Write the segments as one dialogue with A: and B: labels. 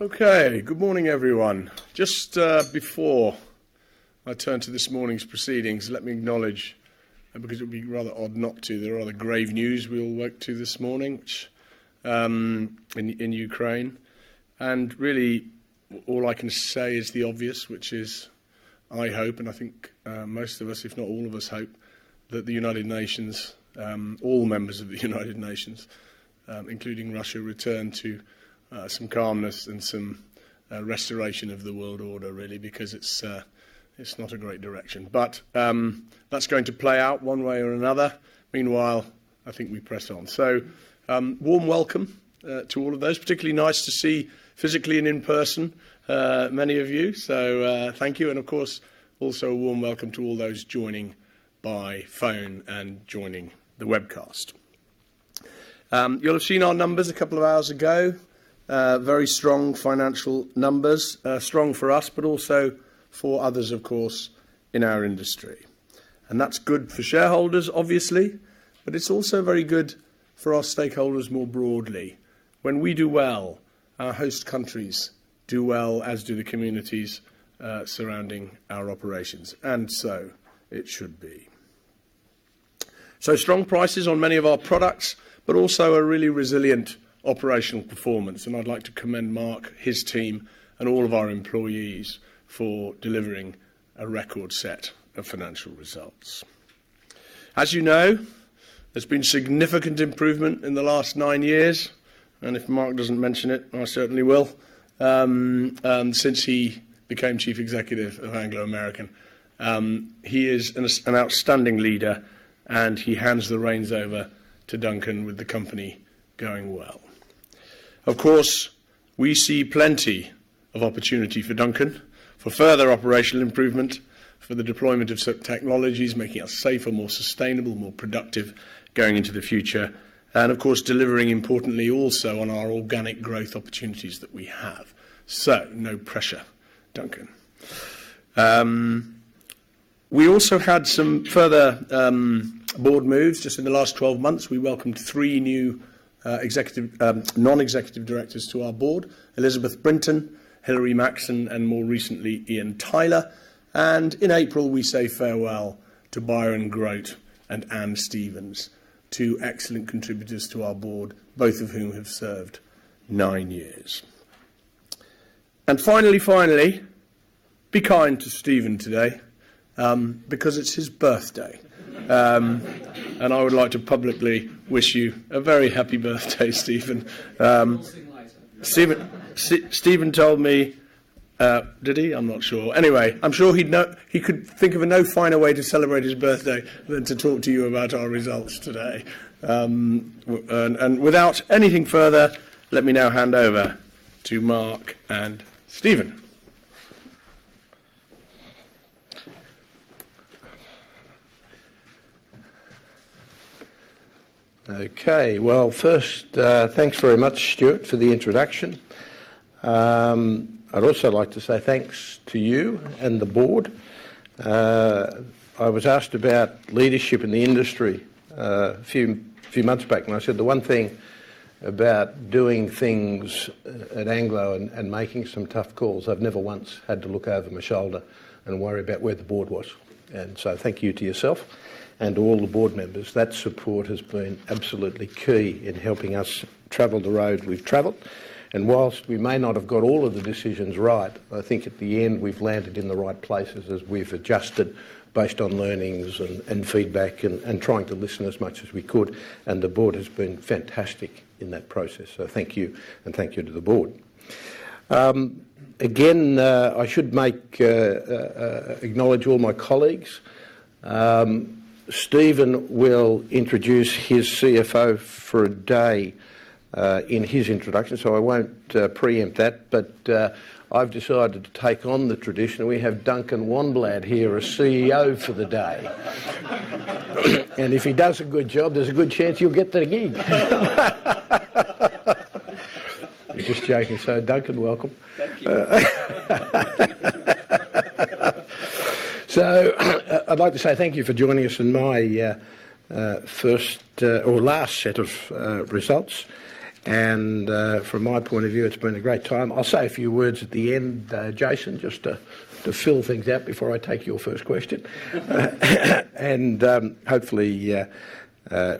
A: Okay. Good morning, everyone. Just before I turn to this morning's proceedings, let me acknowledge, and because it would be rather odd not to, the rather grave news we all woke to this morning which in Ukraine. Really, all I can say is the obvious, which is I hope, and I think most of us, if not all of us hope that the United Nations all members of the United Nations including Russia return to some calmness and some restoration of the world order really because it's not a great direction. That's going to play out one way or another. Meanwhile, I think we press on. Warm welcome to all of those. Particularly nice to see physically and in person many of you. Thank you, and of course, also a warm welcome to all those joining by phone and joining the webcast. You'll have seen our numbers a couple of hours ago. Very strong financial numbers. Strong for us but also for others of course in our industry. That's good for shareholders obviously, but it's also very good for our stakeholders more broadly. When we do well, our host countries do well, as do the communities surrounding our operations, and so it should be. Strong prices on many of our products, but also a really resilient operational performance, and I'd like to commend Mark, his team, and all of our employees for delivering a record set of financial results. As you know, there's been significant improvement in the last nine years, and if Mark doesn't mention it, I certainly will. Since he became Chief Executive of Anglo American. He is an outstanding leader, and he hands the reins over to Duncan with the company going well. Of course, we see plenty of opportunity for Duncan for further operational improvement, for the deployment of such technologies, making us safer, more sustainable, more productive going into the future. Of course, delivering importantly also on our organic growth opportunities that we have. No pressure, Duncan. We also had some further board moves. Just in the last 12 months, we welcomed three new Non-Executive Directors to our board: Elisabeth Brinton, Hilary Maxson, and more recently, Ian Tyler. In April, we say farewell to Byron Grote and Anne Stevens, two excellent contributors to our board, both of whom have served nine years. Finally, be kind to Stephen today, because it's his birthday. I would like to publicly wish you a very happy birthday. Stephen told me. Did he? I'm not sure. Anyway, I'm sure he'd know he could think of no finer way to celebrate his birthday than to talk to you about our results today. Without anything further, let me now hand over to Mark and Stephen.
B: Okay. Well, first, thanks very much, Stuart, for the introduction. I'd also like to say thanks to you and the Board. I was asked about leadership in the industry a few months back, and I said the one thing about doing things at Anglo and making some tough calls, I've never once had to look over my shoulder and worry about where the board was. Thank you to yourself and all the Board members. That support has been absolutely key in helping us travel the road we've traveled. While we may not have got all of the decisions right, I think at the end, we've landed in the right places as we've adjusted based on learnings and feedback and trying to listen as much as we could, and the board has been fantastic in that process. Thank you, and thank you to the board. Again, I should acknowledge all my colleagues. Stephen will introduce his CFO for a day in his introduction, so I won't preempt that. I've decided to take on the tradition. We have Duncan Wanblad here, our CEO for the day. If he does a good job, there's a good chance he'll get the gig. I'm just joking, sir. Duncan, welcome.
C: Thank you.
B: I'd like to say thank you for joining us in my first or last set of results. From my point of view, it's been a great time. I'll say a few words at the end, Jason, just to fill things out before I take your first question. Hopefully,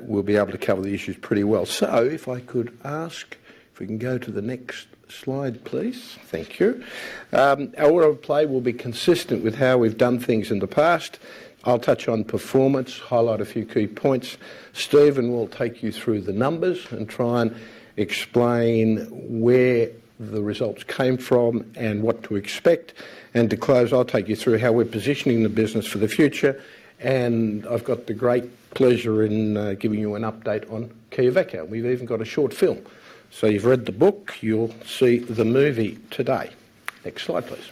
B: we'll be able to cover the issues pretty well. If I could ask if we can go to the next slide, please. Thank you. Our order of play will be consistent with how we've done things in the past. I'll touch on performance, highlight a few key points. Stephen will take you through the numbers and try and explain where the results came from and what to expect. To close, I'll take you through how we're positioning the business for the future, and I've got the great pleasure in giving you an update on Quellaveco. We've even got a short film. You've read the book, you'll see the movie today. Next slide, please.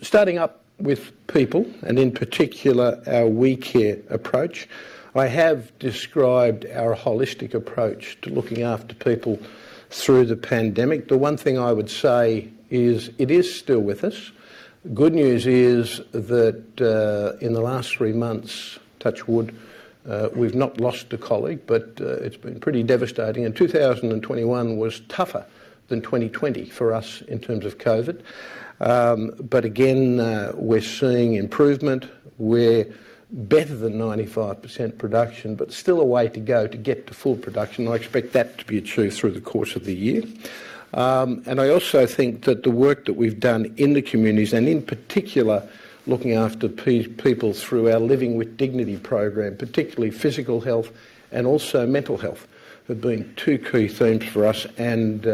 B: Starting up with people, and in particular our WeCare approach, I have described our holistic approach to looking after people through the pandemic. The one thing I would say is, it is still with us. Good news is that, in the last three months, touch wood, we've not lost a colleague, but it's been pretty devastating. 2021 was tougher than 2020 for us in terms of COVID. Again, we're seeing improvement. We're better than 95% production, but still a way to go to get to full production. I expect that to be achieved through the course of the year. I also think that the work that we've done in the communities, and in particular looking after people through our Living with Dignity program, particularly physical health and also mental health, have been two key themes for us and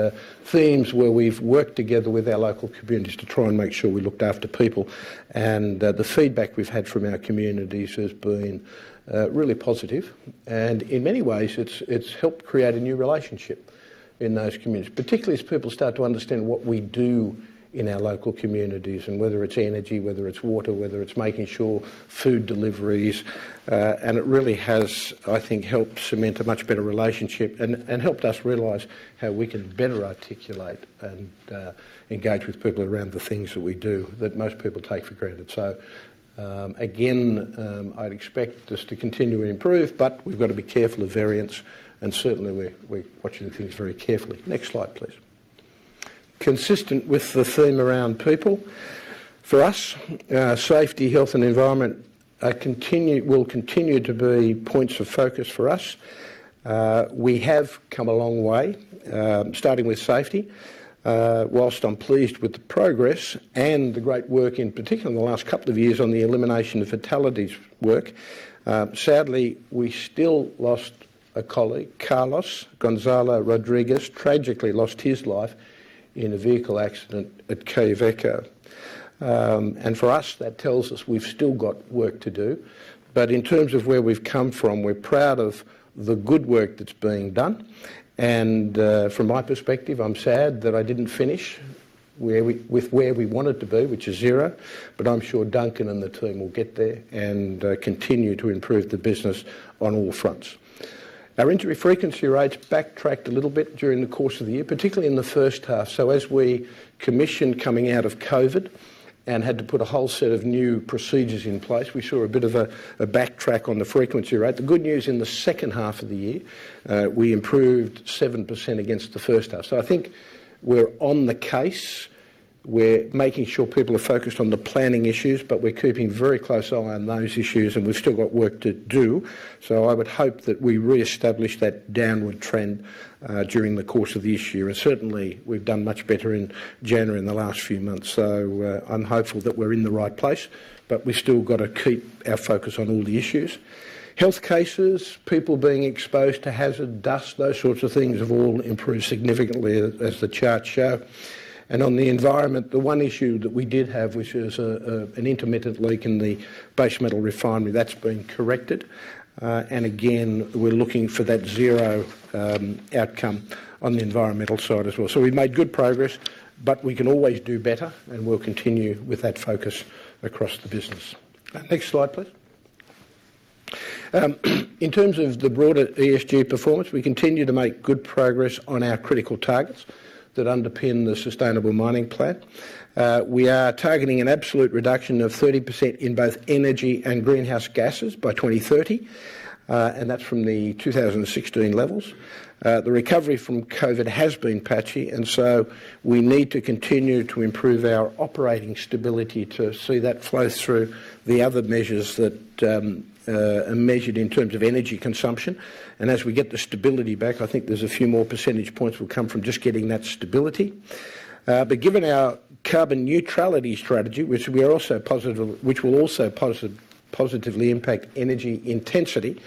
B: themes where we've worked together with our local communities to try and make sure we looked after people. The feedback we've had from our communities has been really positive. In many ways it's helped create a new relationship in those communities. Particularly as people start to understand what we do in our local communities, and whether it's energy, whether it's water, whether it's making sure food deliveries. It really has, I think, helped cement a much better relationship and helped us realize how we can better articulate and engage with people around the things that we do that most people take for granted. Again, I'd expect this to continue to improve, but we've got to be careful of variants and certainly we're watching things very carefully. Next slide, please. Consistent with the theme around people, for us, safety, health, and environment will continue to be points of focus for us. We have come a long way, starting with safety. While I'm pleased with the progress and the great work, in particular in the last couple of years on the elimination of fatalities work, sadly, we still lost a colleague, Carlos González Rodriguez, tragically lost his life in a vehicle accident at Quellaveco. For us, that tells us we've still got work to do. In terms of where we've come from, we're proud of the good work that's being done. From my perspective, I'm sad that I didn't finish with where we wanted to be, which is zero. I'm sure Duncan and the team will get there and continue to improve the business on all fronts. Our injury frequency rates backtracked a little bit during the course of the year, particularly in the first half. As we commissioned coming out of COVID and had to put a whole set of new procedures in place, we saw a bit of a backtrack on the frequency rate. The good news in the second half of the year, we improved 7% against the first half. I think we're on the case. We're making sure people are focused on the planning issues, but we're keeping a very close eye on those issues, and we've still got work to do. I would hope that we reestablish that downward trend during the course of this year. Certainly we've done much better in January and the last few months. I'm hopeful that we're in the right place, but we still gotta keep our focus on all the issues. Health cases, people being exposed to hazard dust, those sorts of things have all improved significantly as the charts show. On the environment, the one issue that we did have, which is an intermittent leak in the base metal refinery, that's been corrected. Again, we're looking for that zero outcome on the environmental side as well. We've made good progress, but we can always do better, and we'll continue with that focus across the business. Next slide, please. In terms of the broader ESG performance, we continue to make good progress on our critical targets that underpin the Sustainable Mining Plan. We are targeting an absolute reduction of 30% in both energy and greenhouse gases by 2030. And that's from the 2016 levels. The recovery from COVID has been patchy, and so we need to continue to improve our operating stability to see that flow through the other measures that are measured in terms of energy consumption. As we get the stability back, I think there's a few more percentage points will come from just getting that stability. Given our carbon neutrality strategy, which will also positively impact energy intensity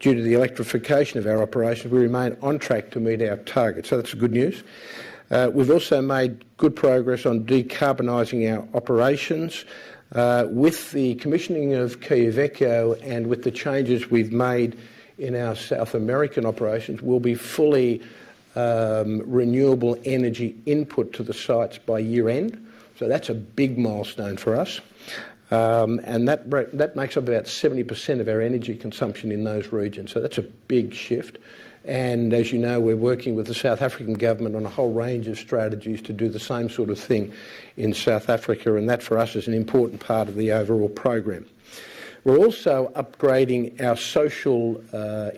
B: due to the electrification of our operations, we remain on track to meet our targets. That's the good news. We've also made good progress on decarbonizing our operations. With the commissioning of Quellaveco and with the changes we've made in our South American operations, we'll be fully renewable energy input to the sites by year-end. That's a big milestone for us. That makes up about 70% of our energy consumption in those regions. That's a big shift. As you know, we're working with the South African government on a whole range of strategies to do the same sort of thing in South Africa. That, for us, is an important part of the overall program. We're also upgrading our social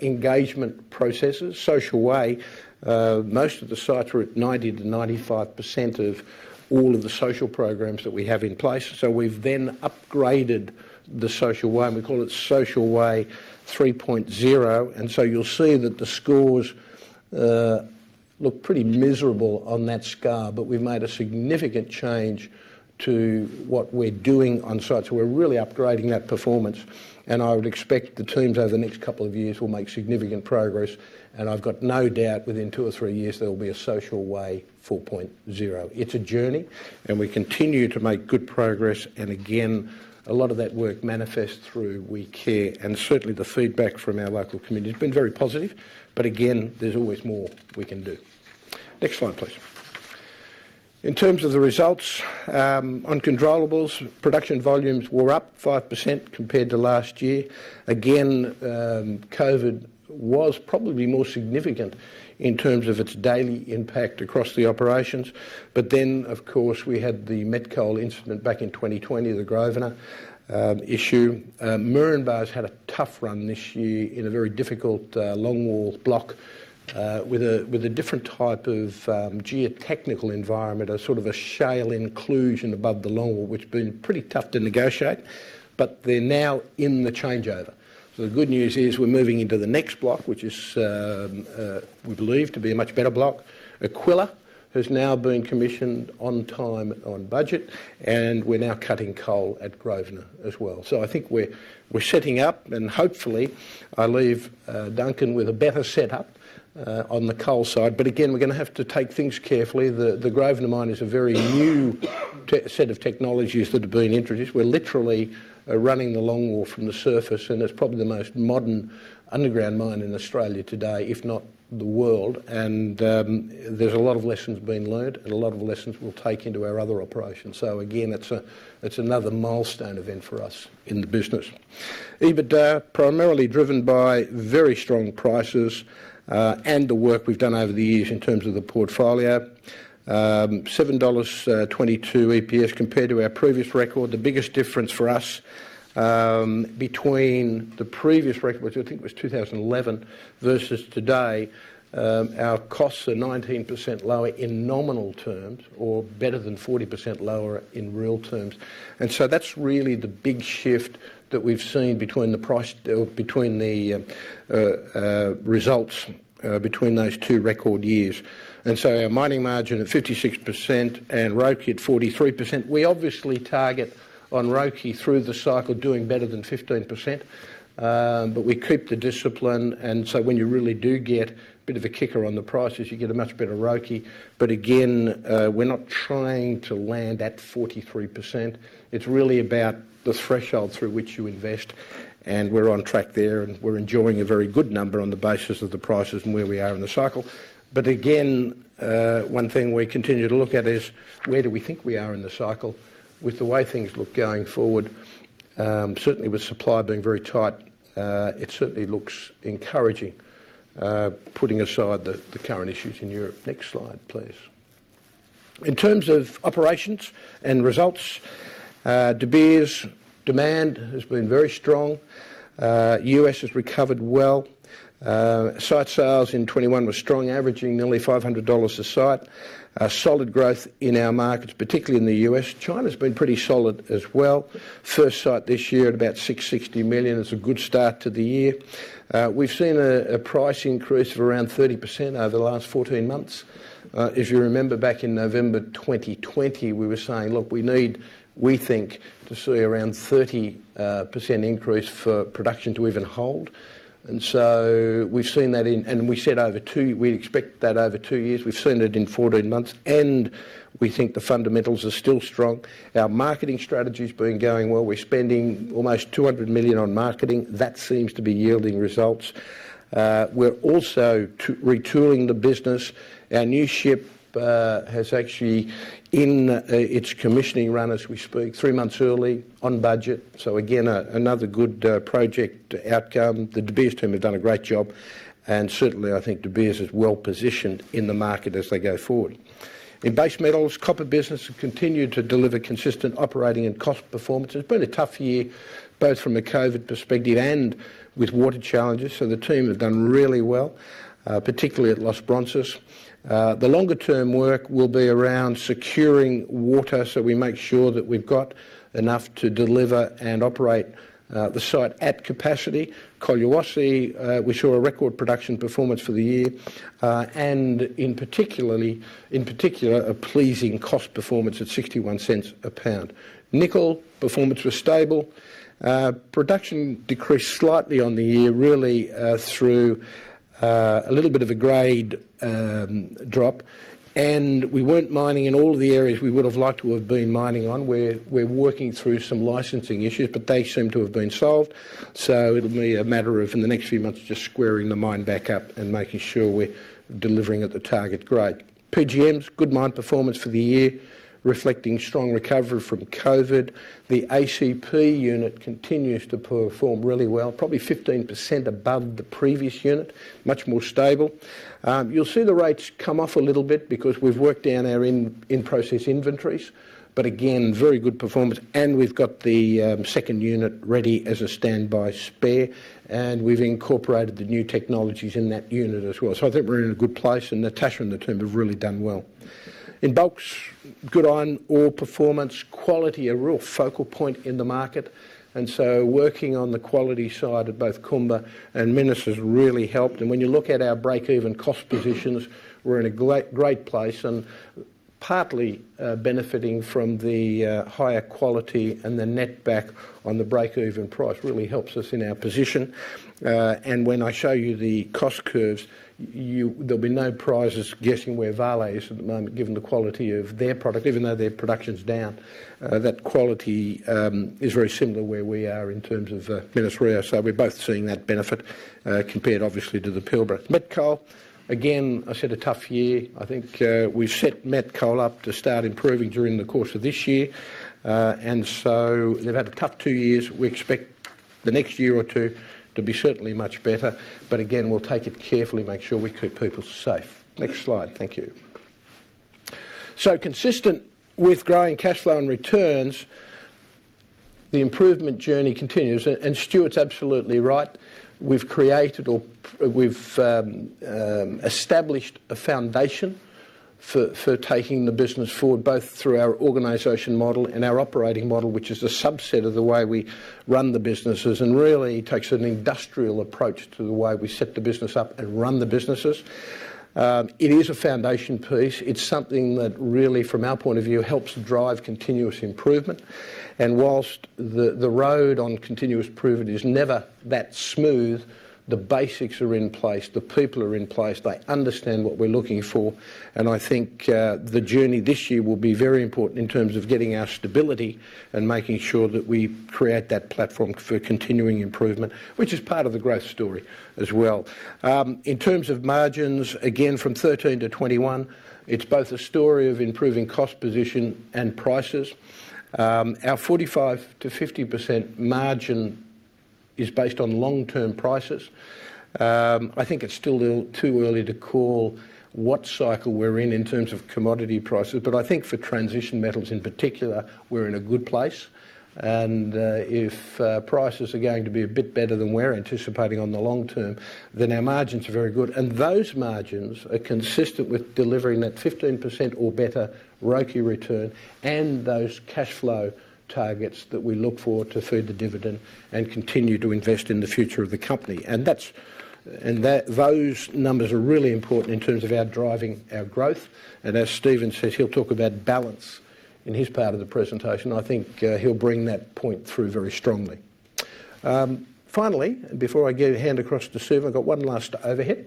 B: engagement processes, Social Way. Most of the sites are at 90%-95% of all of the social programs that we have in place. We've then upgraded the Social Way, and we call it Social Way 3.0. You'll see that the scores look pretty miserable on that scale, but we've made a significant change to what we're doing on sites. We're really upgrading that performance. I would expect the teams over the next couple of years will make significant progress. I've got no doubt within 2 or 3 years, there will be a Social Way 4.0. It's a journey, and we continue to make good progress. Again, a lot of that work manifests through WeCare. Certainly the feedback from our local community has been very positive. Again, there's always more we can do. Next slide, please. In terms of the results, on controllables, production volumes were up 5% compared to last year. Again, COVID was probably more significant in terms of its daily impact across the operations. Of course, we had the met coal incident back in 2020, the Grosvenor issue. Moranbah's had a tough run this year in a very difficult longwall block with a different type of geotechnical environment. A sort of a shale inclusion above the longwall, which been pretty tough to negotiate, but they're now in the changeover. The good news is we're moving into the next block, which is we believe to be a much better block. Aquila has now been commissioned on time, on budget, and we're now cutting coal at Grosvenor as well. I think we're setting up, and hopefully I leave Duncan with a better setup on the coal side. Again, we're gonna have to take things carefully. The Grosvenor mine is a very new set of technologies that have been introduced. We're literally running the longwall from the surface, and it's probably the most modern underground mine in Australia today, if not the world. There's a lot of lessons being learned and a lot of lessons we'll take into our other operations. Again, it's another milestone event for us in the business. EBITDA, primarily driven by very strong prices and the work we've done over the years in terms of the portfolio. $7.22 EPS compared to our previous record. The biggest difference for us, between the previous record, which I think was 2011, versus today, our costs are 19% lower in nominal terms or better than 40% lower in real terms. That's really the big shift that we've seen between those two record years. Our mining margin at 56% and ROCE at 43%. We obviously target on ROCE through the cycle doing better than 15%, but we keep the discipline and so when you really do get a bit of a kicker on the prices, you get a much better ROCE. We're not trying to land at 43%. It's really about the threshold through which you invest, and we're on track there, and we're enjoying a very good number on the basis of the prices and where we are in the cycle. Again, one thing we continue to look at is where do we think we are in the cycle with the way things look going forward. Certainly with supply being very tight, it certainly looks encouraging, putting aside the current issues in Europe. Next slide, please. In terms of operations and results, De Beers demand has been very strong. U.S. has recovered well. Sight sales in 2021 were strong, averaging nearly $500 a sight. A solid growth in our markets, particularly in the U.S. China's been pretty solid as well. First sight this year at about $660 million. It's a good start to the year. We've seen a price increase of around 30% over the last 14 months. If you remember back in November 2020, we were saying, "Look, we need, we think, to see around 30% increase for production to even hold." We've seen that, and we said we'd expect that over two years. We've seen it in 14 months, and we think the fundamentals are still strong. Our marketing strategy's been going well. We're spending almost $200 million on marketing. That seems to be yielding results. We're also retooling the business. Our new ship has actually in its commissioning run as we speak, three months early, on budget. Again, another good project outcome. The De Beers team have done a great job, and certainly I think De Beers is well-positioned in the market as they go forward. In base metals, copper business have continued to deliver consistent operating and cost performance. It's been a tough year, both from a COVID perspective and with water challenges, so the team have done really well, particularly at Los Bronces. The longer term work will be around securing water, so we make sure that we've got enough to deliver and operate the site at capacity. Collahuasi, we saw a record production performance for the year, and in particular, a pleasing cost performance at $0.61 a pound. Nickel performance was stable. Production decreased slightly on the year, really, through a little bit of a grade drop. We weren't mining in all of the areas we would've liked to have been mining on. We're working through some licensing issues, but they seem to have been solved. It'll be a matter of, in the next few months, just squaring the mine back up and making sure we're delivering at the target grade. PGMs, good mine performance for the year, reflecting strong recovery from COVID. The ACP unit continues to perform really well, probably 15% above the previous unit, much more stable. You'll see the rates come off a little bit because we've worked down our in-process inventories, but again, very good performance. We've got the second unit ready as a standby spare, and we've incorporated the new technologies in that unit as well. I think we're in a good place, and Natascha and the team have really done well. In bulks, good iron ore performance. Quality, a real focal point in the market. Working on the quality side of both Kumba and Minas-Rio has really helped. When you look at our break-even cost positions, we're in a great place and partly benefiting from the higher quality and the net back on the break-even price really helps us in our position. When I show you the cost curves, there'll be no prizes guessing where Vale is at the moment, given the quality of their product. Even though their production's down, that quality is very similar where we are in terms of Minas-Rio. We're both seeing that benefit compared obviously to the Pilbara. Met coal, again, I said a tough year. I think we've set met coal up to start improving during the course of this year. They've had a tough two years. We expect the next year or two to be certainly much better. Again, we'll take it carefully, make sure we keep people safe. Next slide. Thank you. Consistent with growing cashflow and returns, the improvement journey continues. Stuart's absolutely right. We've established a foundation for taking the business forward, both through our organization model and our operating model, which is a subset of the way we run the businesses. It really takes an industrial approach to the way we set the business up and run the businesses. It is a foundation piece. It's something that really, from our point of view, helps drive continuous improvement. Whilst the road on continuous improvement is never that smooth, the basics are in place, the people are in place, they understand what we're looking for, and I think the journey this year will be very important in terms of getting our stability and making sure that we create that platform for continuing improvement, which is part of the growth story as well. In terms of margins, again, from 13% to 21%, it's both a story of improving cost position and prices. Our 45%-50% margin is based on long-term prices. I think it's still a little too early to call what cycle we're in in terms of commodity prices, but I think for transition metals in particular, we're in a good place. If prices are going to be a bit better than we're anticipating on the long term, then our margins are very good. Those margins are consistent with delivering that 15% or better ROCE return and those cashflow targets that we look for to feed the dividend and continue to invest in the future of the company. Those numbers are really important in terms of our driving our growth. As Stephen says, he'll talk about balance in his part of the presentation. I think he'll bring that point through very strongly. Finally, before I hand across to Steve, I've got one last overhead.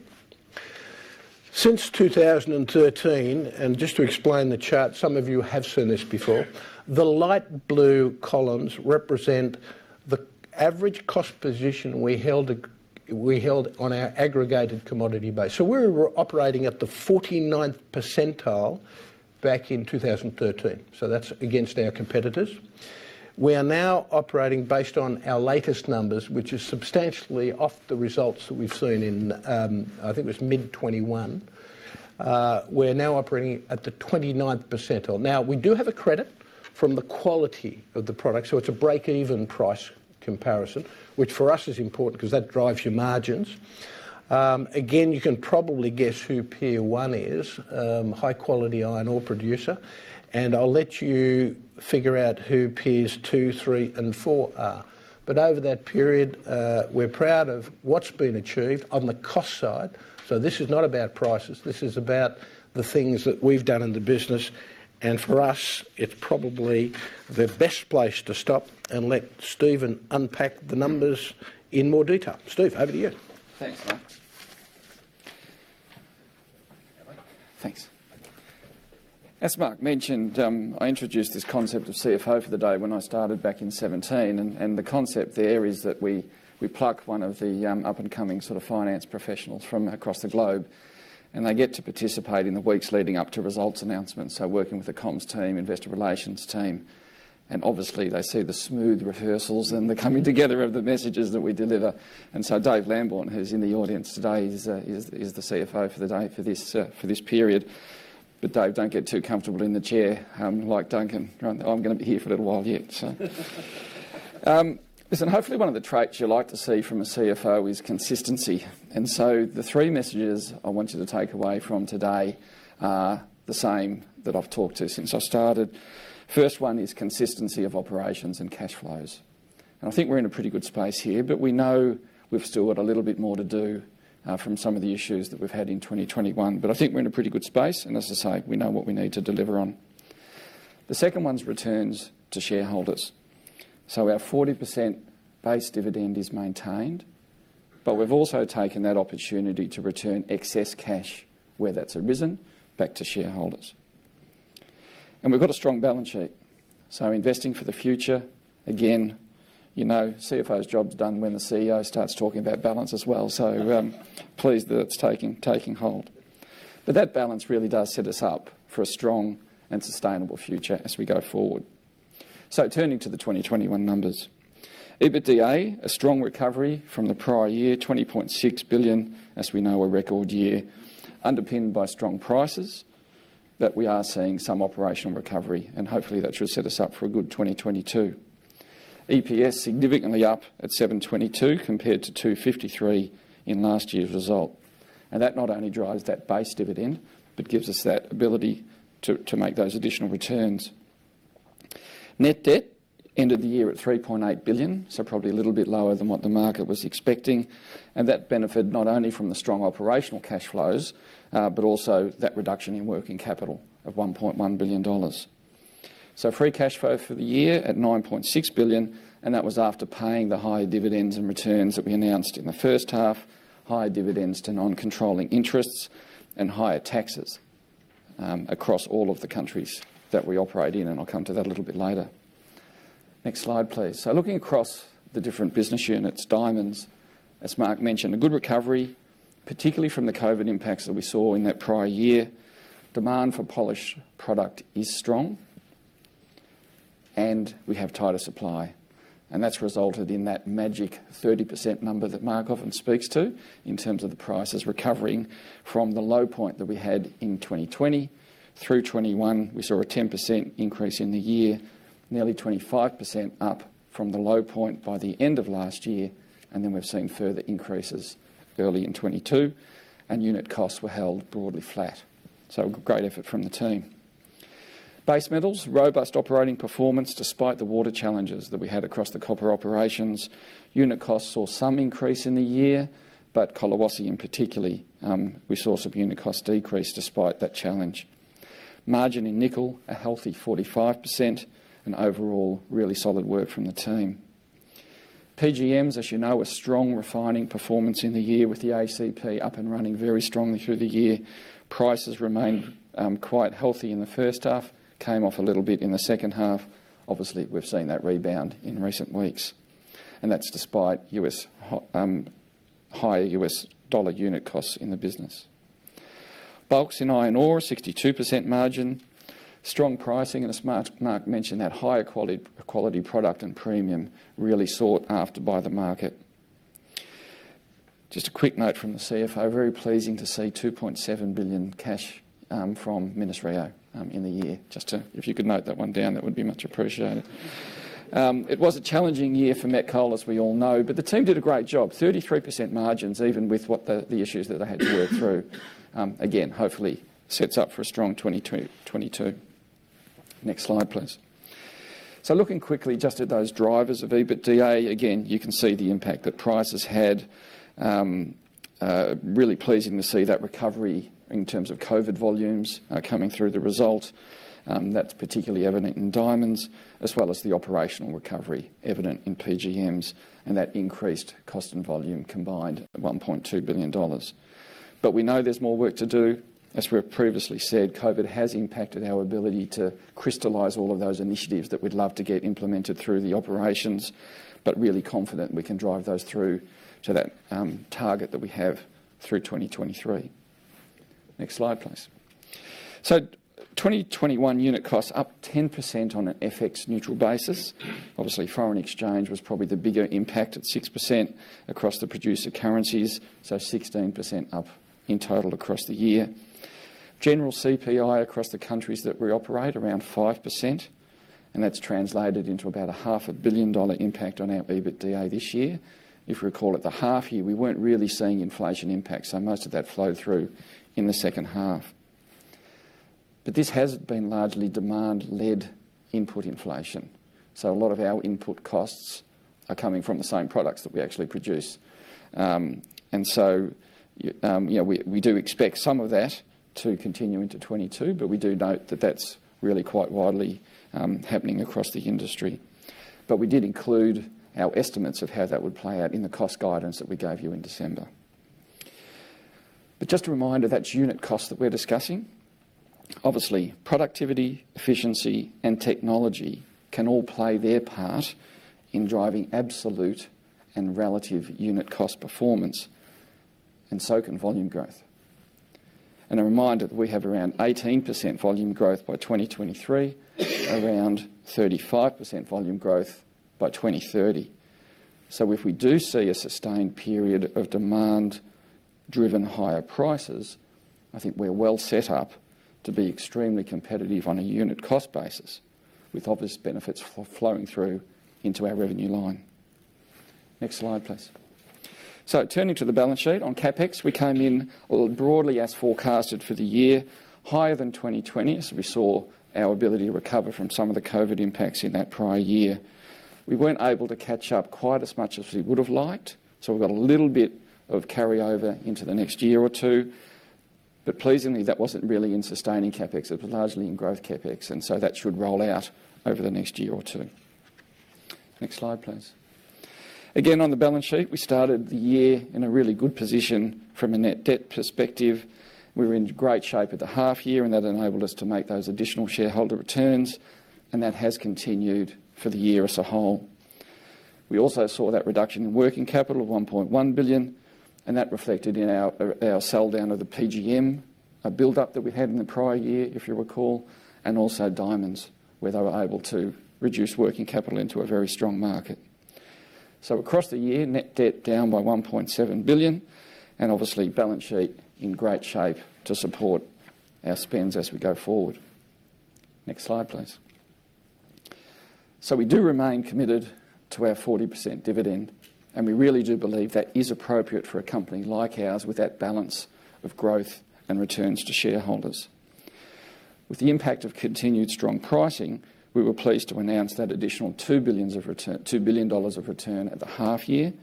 B: Since 2013, and just to explain the chart, some of you have seen this before. The light blue columns represent the average cost position we held on our aggregated commodity base. We were operating at the 49th percentile back in 2013. That's against our competitors. We are now operating based on our latest numbers, which is substantially off the results that we've seen in, I think it was mid-2021. We're now operating at the 29th percentile. Now, we do have a credit from the quality of the product, so it's a break-even price comparison, which for us is important 'cause that drives your margins. Again, you can probably guess who peer 1 is, high quality iron ore producer. I'll let you figure out who peers two, three, and four are. Over that period, we're proud of what's been achieved on the cost side. This is not about prices. This is about the things that we've done in the business. For us, it's probably the best place to stop and let Stephen unpack the numbers in more detail. Steve, over to you.
D: Thanks, Mark. Thanks. As Mark mentioned, I introduced this concept of CFO for the day when I started back in 2017, and the concept there is that we pluck one of the up-and-coming sort of finance professionals from across the globe, and they get to participate in the weeks leading up to results announcements, working with the comms team, investor relations team. Obviously they see the smooth rehearsals and the coming together of the messages that we deliver. Stephen Pearce, who's in the audience today, he's the CFO for the day for this period. But Stephen, don't get too comfortable in the chair, like Duncan. I'm gonna be here for a little while yet. Listen, hopefully one of the traits you like to see from a CFO is consistency. The three messages I want you to take away from today are the same that I've talked about since I started. First one is consistency of operations and cash flows. I think we're in a pretty good space here, but we know we've still got a little bit more to do, from some of the issues that we've had in 2021. I think we're in a pretty good space, and as I say, we know what we need to deliver on. The second one's returns to shareholders. Our 40% base dividend is maintained, but we've also taken that opportunity to return excess cash where that's arisen back to shareholders. We've got a strong balance sheet. Investing for the future, again, you know CFO's job's done when the CEO starts talking about balance as well. Pleased that it's taking hold. That balance really does set us up for a strong and sustainable future as we go forward. Turning to the 2021 numbers. EBITDA, a strong recovery from the prior year, $20.6 billion, as we know, a record year, underpinned by strong prices, that we are seeing some operational recovery, and hopefully that should set us up for a good 2022. EPS significantly up at 722 compared to 253 in last year's result. That not only drives that base dividend, but gives us that ability to make those additional returns. Net debt, end of the year at $3.8 billion, so probably a little bit lower than what the market was expecting. That benefited not only from the strong operational cash flows, but also that reduction in working capital of $1.1 billion. Free cash flow for the year at $9.6 billion, and that was after paying the higher dividends and returns that we announced in the first half, higher dividends to non-controlling interests, and higher taxes, across all of the countries that we operate in, and I'll come to that a little bit later. Next slide, please. Looking across the different business units, diamonds, as Mark mentioned, a good recovery, particularly from the COVID impacts that we saw in that prior year. Demand for polished product is strong. We have tighter supply. That's resulted in that magic 30% number that Mark often speaks to in terms of the prices recovering from the low point that we had in 2020. Through 2021, we saw a 10% increase in the year, nearly 25% up from the low point by the end of last year. Then we've seen further increases early in 2022. Unit costs were held broadly flat. Great effort from the team. Base metals, robust operating performance despite the water challenges that we had across the copper operations. Unit costs saw some increase in the year, but Collahuasi in particular, we saw some unit cost decrease despite that challenge. Margin in nickel, a healthy 45% and overall, really solid work from the team. PGMs, as you know, a strong refining performance in the year with the ACP up and running very strongly through the year. Prices remained quite healthy in the first half, came off a little bit in the second half. Obviously, we've seen that rebound in recent weeks. That's despite higher US dollar unit costs in the business. Bulks in iron ore, 62% margin. Strong pricing, as Mark mentioned, that higher quality product and premium really sought after by the market. Just a quick note from the CFO, very pleasing to see $2.7 billion cash from Minas-Rio in the year. If you could note that one down, that would be much appreciated. It was a challenging year for met coal, as we all know, but the team did a great job. 33% margins, even with the issues that they had to work through. Again, hopefully sets up for a strong 2022. Next slide, please. Looking quickly just at those drivers of EBITDA, again, you can see the impact that prices had. Really pleasing to see that recovery in terms of COVID volumes coming through the result. That's particularly evident in diamonds as well as the operational recovery evident in PGMs, and that increased cost and volume combined at $1.2 billion. We know there's more work to do. As we have previously said, COVID has impacted our ability to crystallize all of those initiatives that we'd love to get implemented through the operations, but really confident we can drive those through to that target that we have through 2023. Next slide, please. 2021 unit costs up 10% on an FX neutral basis. Obviously, foreign exchange was probably the bigger impact at 6% across the producer currencies, so 16% up in total across the year. General CPI across the countries that we operate around 5%, and that's translated into about half a billion-dollar impact on our EBITDA this year. If you recall, at the half year, we weren't really seeing inflation impacts, so most of that flowed through in the second half. This has been largely demand-led input inflation. A lot of our input costs are coming from the same products that we actually produce. You know, we do expect some of that to continue into 2022, but we do note that that's really quite widely happening across the industry. We did include our estimates of how that would play out in the cost guidance that we gave you in December. Just a reminder, that's unit cost that we're discussing. Obviously, productivity, efficiency, and technology can all play their part in driving absolute and relative unit cost performance, and so can volume growth. A reminder that we have around 18% volume growth by 2023, around 35% volume growth by 2030. If we do see a sustained period of demand-driven higher prices, I think we're well set up to be extremely competitive on a unit cost basis with obvious benefits flowing through into our revenue line. Next slide, please. Turning to the balance sheet on CapEx, we came in broadly as forecasted for the year, higher than 2020, as we saw our ability to recover from some of the COVID impacts in that prior year. We weren't able to catch up quite as much as we would have liked, so we've got a little bit of carryover into the next year or two. Pleasingly, that wasn't really in sustaining CapEx. It was largely in growth CapEx, and so that should roll out over the next year or two. Next slide, please. Again, on the balance sheet, we started the year in a really good position from a net debt perspective. We were in great shape at the half year, and that enabled us to make those additional shareholder returns, and that has continued for the year as a whole. We also saw that reduction in working capital of $1.1 billion, and that reflected in our sell down of the PGM, a buildup that we had in the prior year, if you recall, and also diamonds, where they were able to reduce working capital into a very strong market. Across the year, net debt down by $1.7 billion, and obviously balance sheet in great shape to support our spends as we go forward. Next slide, please. We do remain committed to our 40% dividend, and we really do believe that is appropriate for a company like ours with that balance of growth and returns to shareholders. With the impact of continued strong pricing, we were pleased to announce additional $2 billion of return at the half year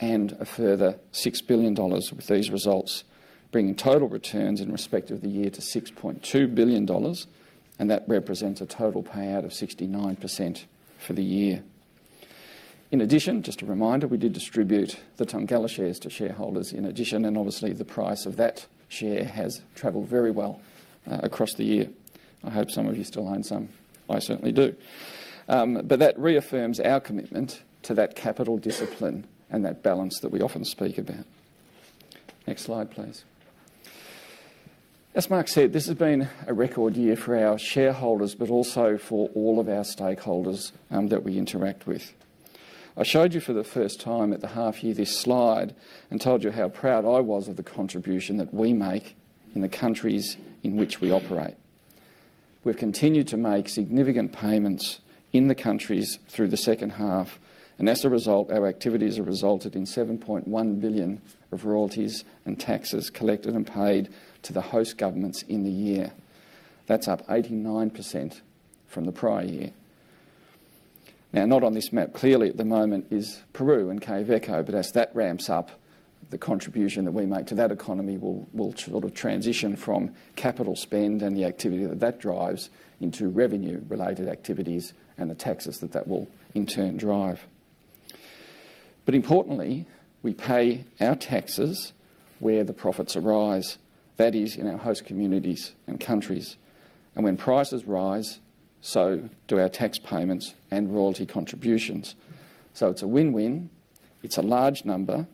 D: and a further $6 billion with these results, bringing total returns in respect of the year to $6.2 billion, and that represents a total payout of 69% for the year. In addition, just a reminder, we did distribute the Thungela shares to shareholders in addition, and obviously the price of that share has traveled very well, across the year. I hope some of you still own some. I certainly do. But that reaffirms our commitment to that capital discipline and that balance that we often speak about. Next slide, please. As Mark said, this has been a record year for our shareholders, but also for all of our stakeholders, that we interact with. I showed you for the first time at the half year this slide and told you how proud I was of the contribution that we make in the countries in which we operate. We've continued to make significant payments in the countries through the second half, and as a result, our activities have resulted in $7.1 billion of royalties and taxes collected and paid to the host governments in the year. That's up 89% from the prior year. Now, not on this map, clearly at the moment is Peru and Quellaveco, but as that ramps up, the contribution that we make to that economy will sort of transition from capital spend and the activity that that drives into revenue-related activities and the taxes that that will in turn drive. But importantly, we pay our taxes where the profits arise. That is in our host communities and countries. When prices rise, so do our tax payments and royalty contributions. It's a win-win. It's a large number.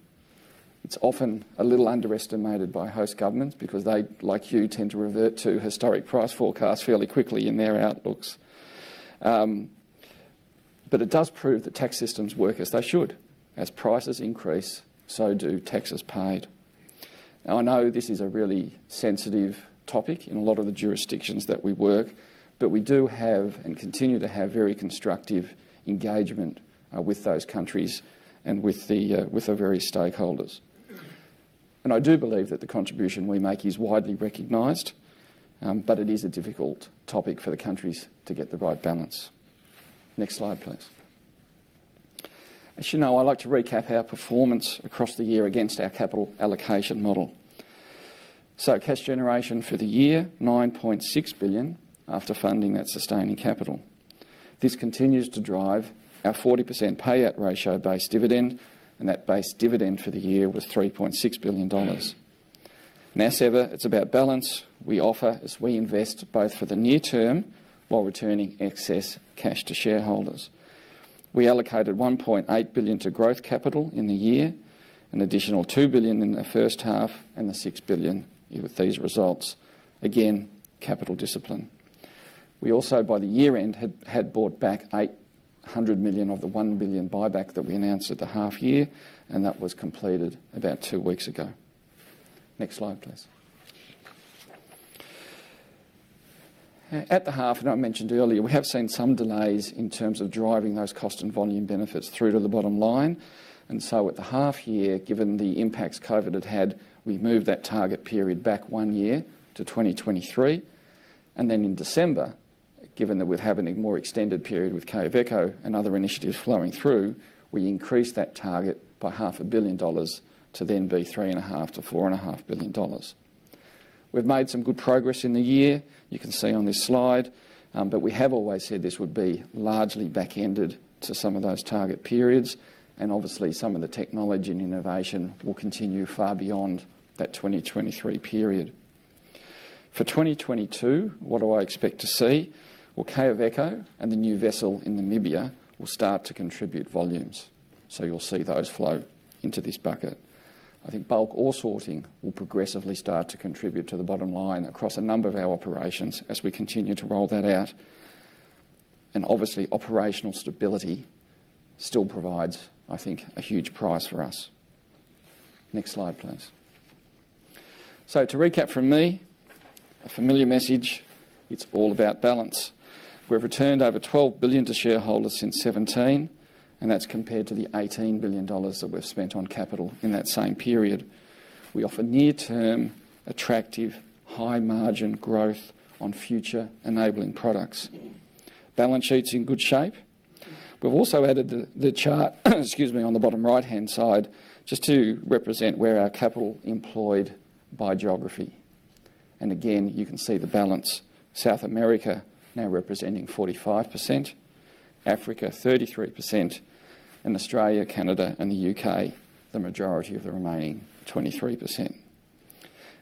D: It's often a little underestimated by host governments because they, like you, tend to revert to historic price forecasts fairly quickly in their outlooks. But it does prove the tax systems work as they should. As prices increase, so do taxes paid. Now, I know this is a really sensitive topic in a lot of the jurisdictions that we work, but we do have and continue to have very constructive engagement with those countries and with the very stakeholders. I do believe that the contribution we make is widely recognized, but it is a difficult topic for the countries to get the right balance. Next slide, please. As you know, I like to recap our performance across the year against our capital allocation model. Cash generation for the year, $9.6 billion after funding that sustaining capital. This continues to drive our 40% payout ratio base dividend, and that base dividend for the year was $3.6 billion. As ever, it's about balance we offer as we invest both for the near term while returning excess cash to shareholders. We allocated $1.8 billion to growth capital in the year, an additional $2 billion in the first half, and the $6 billion with these results. Again, capital discipline. We also, by the year-end, had bought back $800 million of the $1 billion buyback that we announced at the half year, and that was completed about two weeks ago. Next slide, please. At the half, and I mentioned earlier, we have seen some delays in terms of driving those cost and volume benefits through to the bottom line. At the half year, given the impacts COVID had had, we moved that target period back one year to 2023. In December, given that we're having a more extended period with Quellaveco and other initiatives flowing through, we increased that target by $0.5 billion to then be $3.5 billion-$4.5 billion. We've made some good progress in the year. You can see on this slide, but we have always said this would be largely back-ended to some of those target periods, and obviously, some of the technology and innovation will continue far beyond that 2023 period. For 2022, what do I expect to see? Well, Quellaveco and the new vessel in Namibia will start to contribute volumes. You'll see those flow into this bucket. I think bulk ore sorting will progressively start to contribute to the bottom line across a number of our operations as we continue to roll that out. Obviously, operational stability still provides, I think, a huge prize for us. Next slide, please. To recap from me, a familiar message, it's all about balance. We've returned over $12 billion to shareholders since 2017, and that's compared to the $18 billion that we've spent on capital in that same period. We offer near-term, attractive, high-margin growth on future enabling products. Balance sheet's in good shape. We've also added the chart, excuse me, on the bottom right-hand side just to represent where our capital employed by geography. Again, you can see the balance. South America now representing 45%, Africa 33%, and Australia, Canada, and the U.K., the majority of the remaining 23%.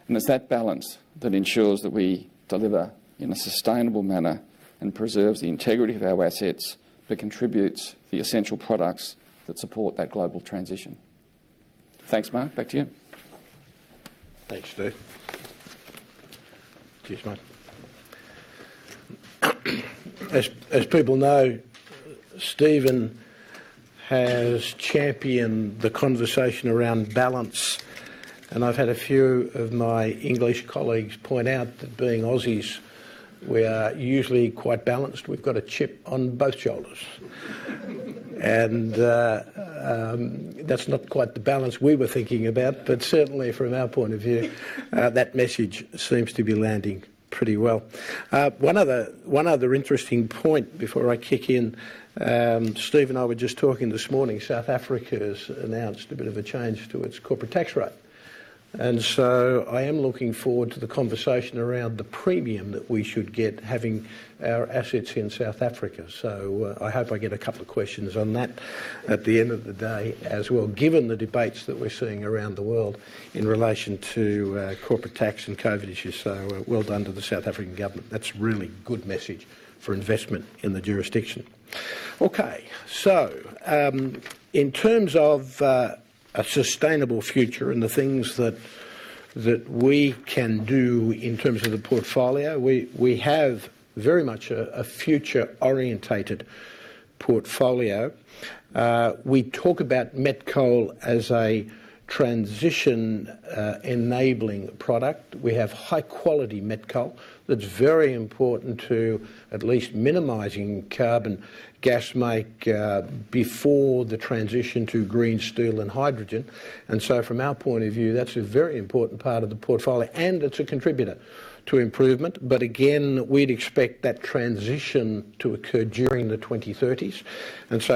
D: It's that balance that ensures that we deliver in a sustainable manner and preserves the integrity of our assets that contributes the essential products that support that global transition. Thanks, Mark. Back to you.
B: Thanks, Steve. Cheers, mate. As people know, Stephen has championed the conversation around balance, and I've had a few of my English colleagues point out that being Aussies, we are usually quite balanced. We've got a chip on both shoulders. That's not quite the balance we were thinking about, but certainly from our point of view, that message seems to be landing pretty well. One other interesting point before I kick in. Steve and I were just talking this morning. South Africa has announced a bit of a change to its corporate tax rate. I am looking forward to the conversation around the premium that we should get having our assets in South Africa. I hope I get a couple of questions on that at the end of the day as well, given the debates that we're seeing around the world in relation to corporate tax and COVID issues. Well done to the South African government. That's really good message for investment in the jurisdiction. Okay. In terms of a sustainable future and the things that we can do in terms of the portfolio, we have very much a future-oriented portfolio. We talk about met coal as a transition-enabling product. We have high-quality met coal that's very important to at least minimizing carbon gas make before the transition to green steel and hydrogen. From our point of view, that's a very important part of the portfolio, and it's a contributor to improvement. Again, we'd expect that transition to occur during the 2030s.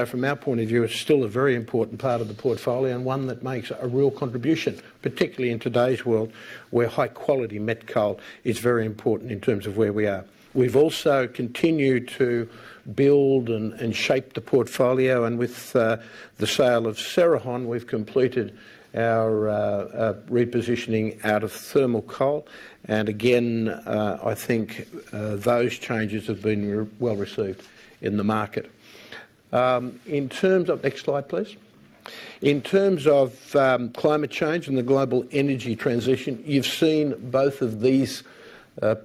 B: From our point of view, it's still a very important part of the portfolio and one that makes a real contribution, particularly in today's world, where high quality met coal is very important in terms of where we are. We've also continued to build and shape the portfolio. With the sale of Cerrejón, we've completed our repositioning out of thermal coal. Again, I think those changes have been well received in the market. Next slide, please. In terms of climate change and the global energy transition, you've seen both of these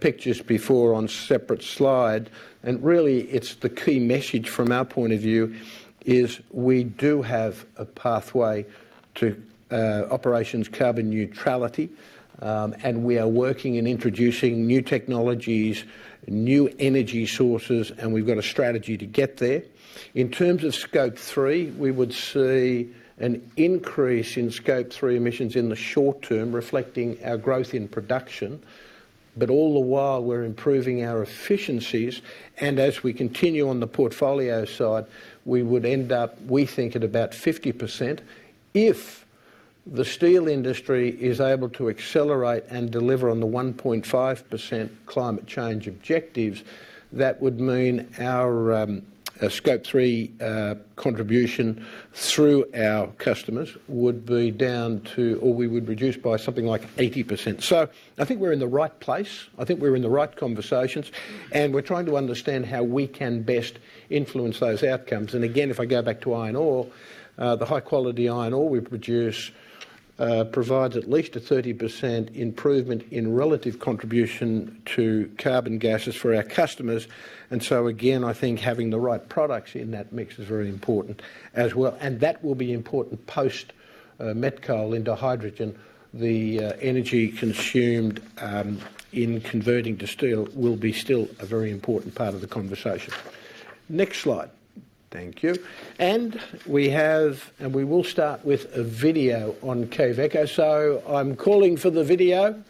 B: pictures before on separate slide, and really, it's the key message from our point of view is we do have a pathway to operations carbon neutrality. We are working on introducing new technologies, new energy sources, and we've got a strategy to get there. In terms of Scope 3, we would see an increase in Scope 3 emissions in the short term reflecting our growth in production, but all the while we're improving our efficiencies. As we continue on the portfolio side, we would end up, we think, at about 50%. If the steel industry is able to accelerate and deliver on the 1.5% climate change objectives, that would mean our Scope 3 contribution through our customers would be down to, or we would reduce by something like 80%. I think we're in the right place. I think we're in the right conversations, and we're trying to understand how we can best influence those outcomes. Again, if I go back to iron ore, the high quality iron ore we produce provides at least a 30% improvement in relative contribution to carbon gases for our customers. Again, I think having the right products in that mix is very important as well. That will be important post met coal into hydrogen. The energy consumed in converting to steel will be still a very important part of the conversation. Next slide. Thank you. We have. We will start with a video on Quellaveco. I'm calling for the video.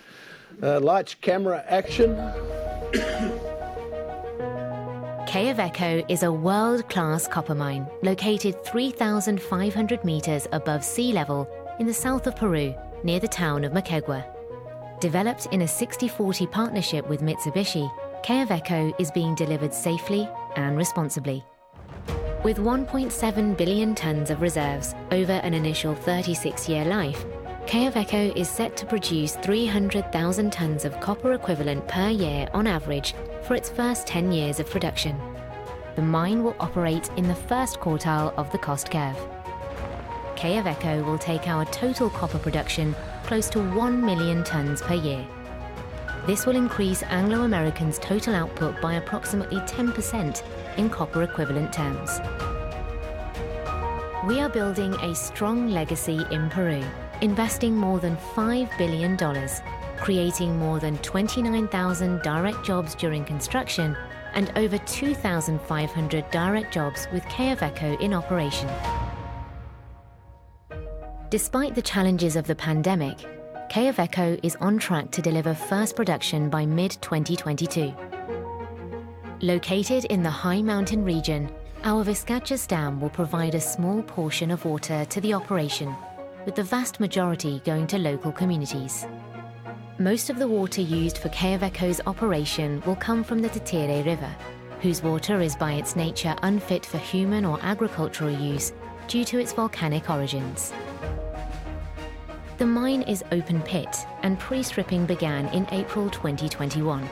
B: Lights, camera, action.
E: Quellaveco is a world-class copper mine located 3,500m above sea level in the south of Peru, near the town of Moquegua. Developed in a 60/40 partnership with Mitsubishi, Quellaveco is being delivered safely and responsibly. With 1.7 billion tons of reserves over an initial 36-year life, Quellaveco is set to produce 300,000 tons of copper equivalent per year on average for its first 10 years of production. The mine will operate in the first quartile of the cost curve. Quellaveco will take our total copper production close to 1 million tons per year. This will increase Anglo American's total output by approximately 10% in copper equivalent tons. We are building a strong legacy in Peru, investing more than $5 billion, creating more than 29,000 direct jobs during construction, and over 2,500 direct jobs with Quellaveco in operation. Despite the challenges of the pandemic, Quellaveco is on track to deliver first production by mid-2022. Located in the high mountain region, our Vizcachas Dam will provide a small portion of water to the operation, with the vast majority going to local communities. Most of the water used for Quellaveco's operation will come from the Titire River, whose water is by its nature unfit for human or agricultural use due to its volcanic origins. The mine is open pit, and pre-stripping began in April 2021.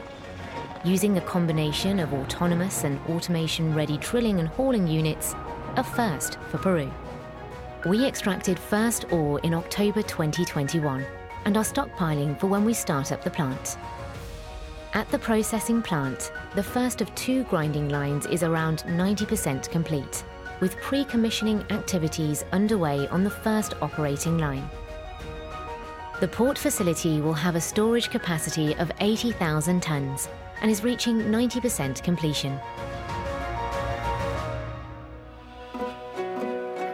E: Using a combination of autonomous and automation-ready drilling and hauling units, a first for Peru. We extracted first ore in October 2021 and are stockpiling for when we start up the plant. At the processing plant, the first of two grinding lines is around 90% complete, with pre-commissioning activities underway on the first operating line. The port facility will have a storage capacity of 80,000 tons and is reaching 90% completion.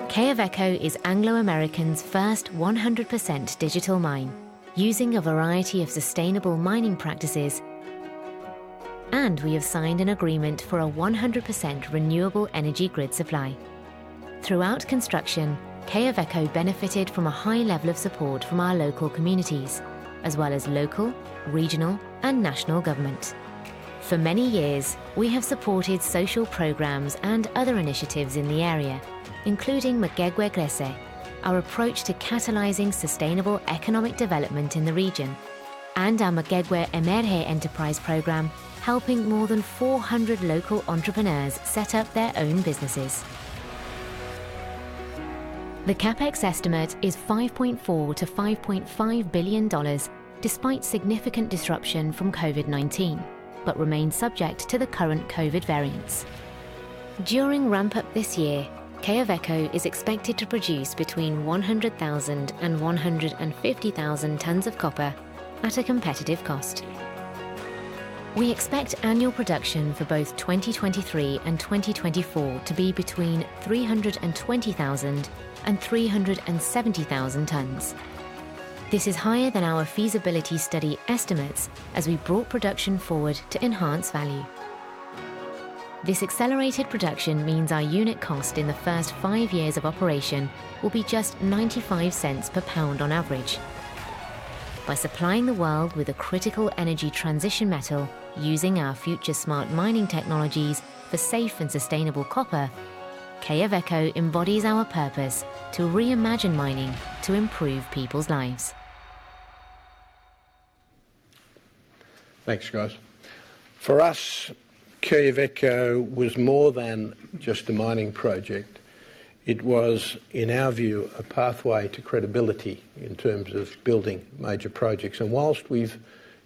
E: Quellaveco is Anglo American's first 100% digital mine, using a variety of sustainable mining practices, and we have signed an agreement for a 100% renewable energy grid supply. Throughout construction, Quellaveco benefited from a high level of support from our local communities, as well as local, regional, and national government. For many years, we have supported social programs and other initiatives in the area, including Moquegua Crece, our approach to catalyzing sustainable economic development in the region. Our Moquegua Emprende enterprise program helping more than 400 local entrepreneurs set up their own businesses. The CapEx estimate is $5.4 billion-$5.5 billion despite significant disruption from COVID-19, but remains subject to the current COVID variants. During ramp-up this year, Quellaveco is expected to produce between 100,000 and 150,000 tons of copper at a competitive cost. We expect annual production for both 2023 and 2024 to be between 300,000 and 370,000 tons. This is higher than our feasibility study estimates as we brought production forward to enhance value. This accelerated production means our unit cost in the first five years of operation will be just $0.95 per pound on average. By supplying the world with a critical energy transition metal using our FutureSmart Mining technologies for safe and sustainable copper, Quellaveco embodies our purpose to reimagine mining to improve people's lives.
B: Thanks, guys. For us, Quellaveco was more than just a mining project. It was, in our view, a pathway to credibility in terms of building major projects. While we've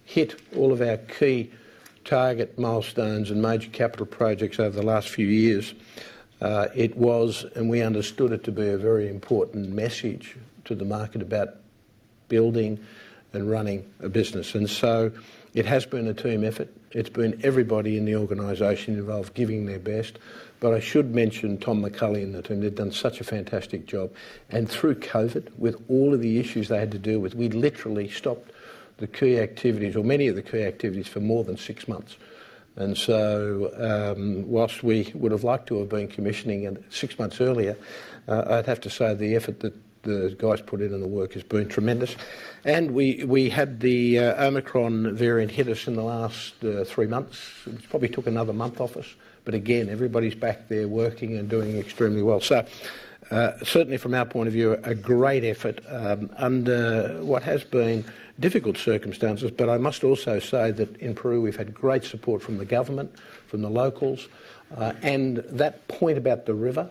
B: hit all of our key target milestones and major capital projects over the last few years, it was a very important message to the market about building and running a business. It has been a team effort. It's been everybody in the organization involved giving their best. I should mention Tom McCulley and the team. They've done such a fantastic job. Through COVID, with all of the issues they had to deal with, we'd literally stopped the key activities or many of the key activities for more than six months. While we would have liked to have been commissioning in six months earlier, I'd have to say, the effort that the guys put in and the work has been tremendous. We had the Omicron variant hit us in the last three months. It probably took another month off us. Again, everybody's back there working and doing extremely well. Certainly from our point of view, a great effort under what has been difficult circumstances. I must also say that in Peru, we've had great support from the government, from the locals. That point about the river,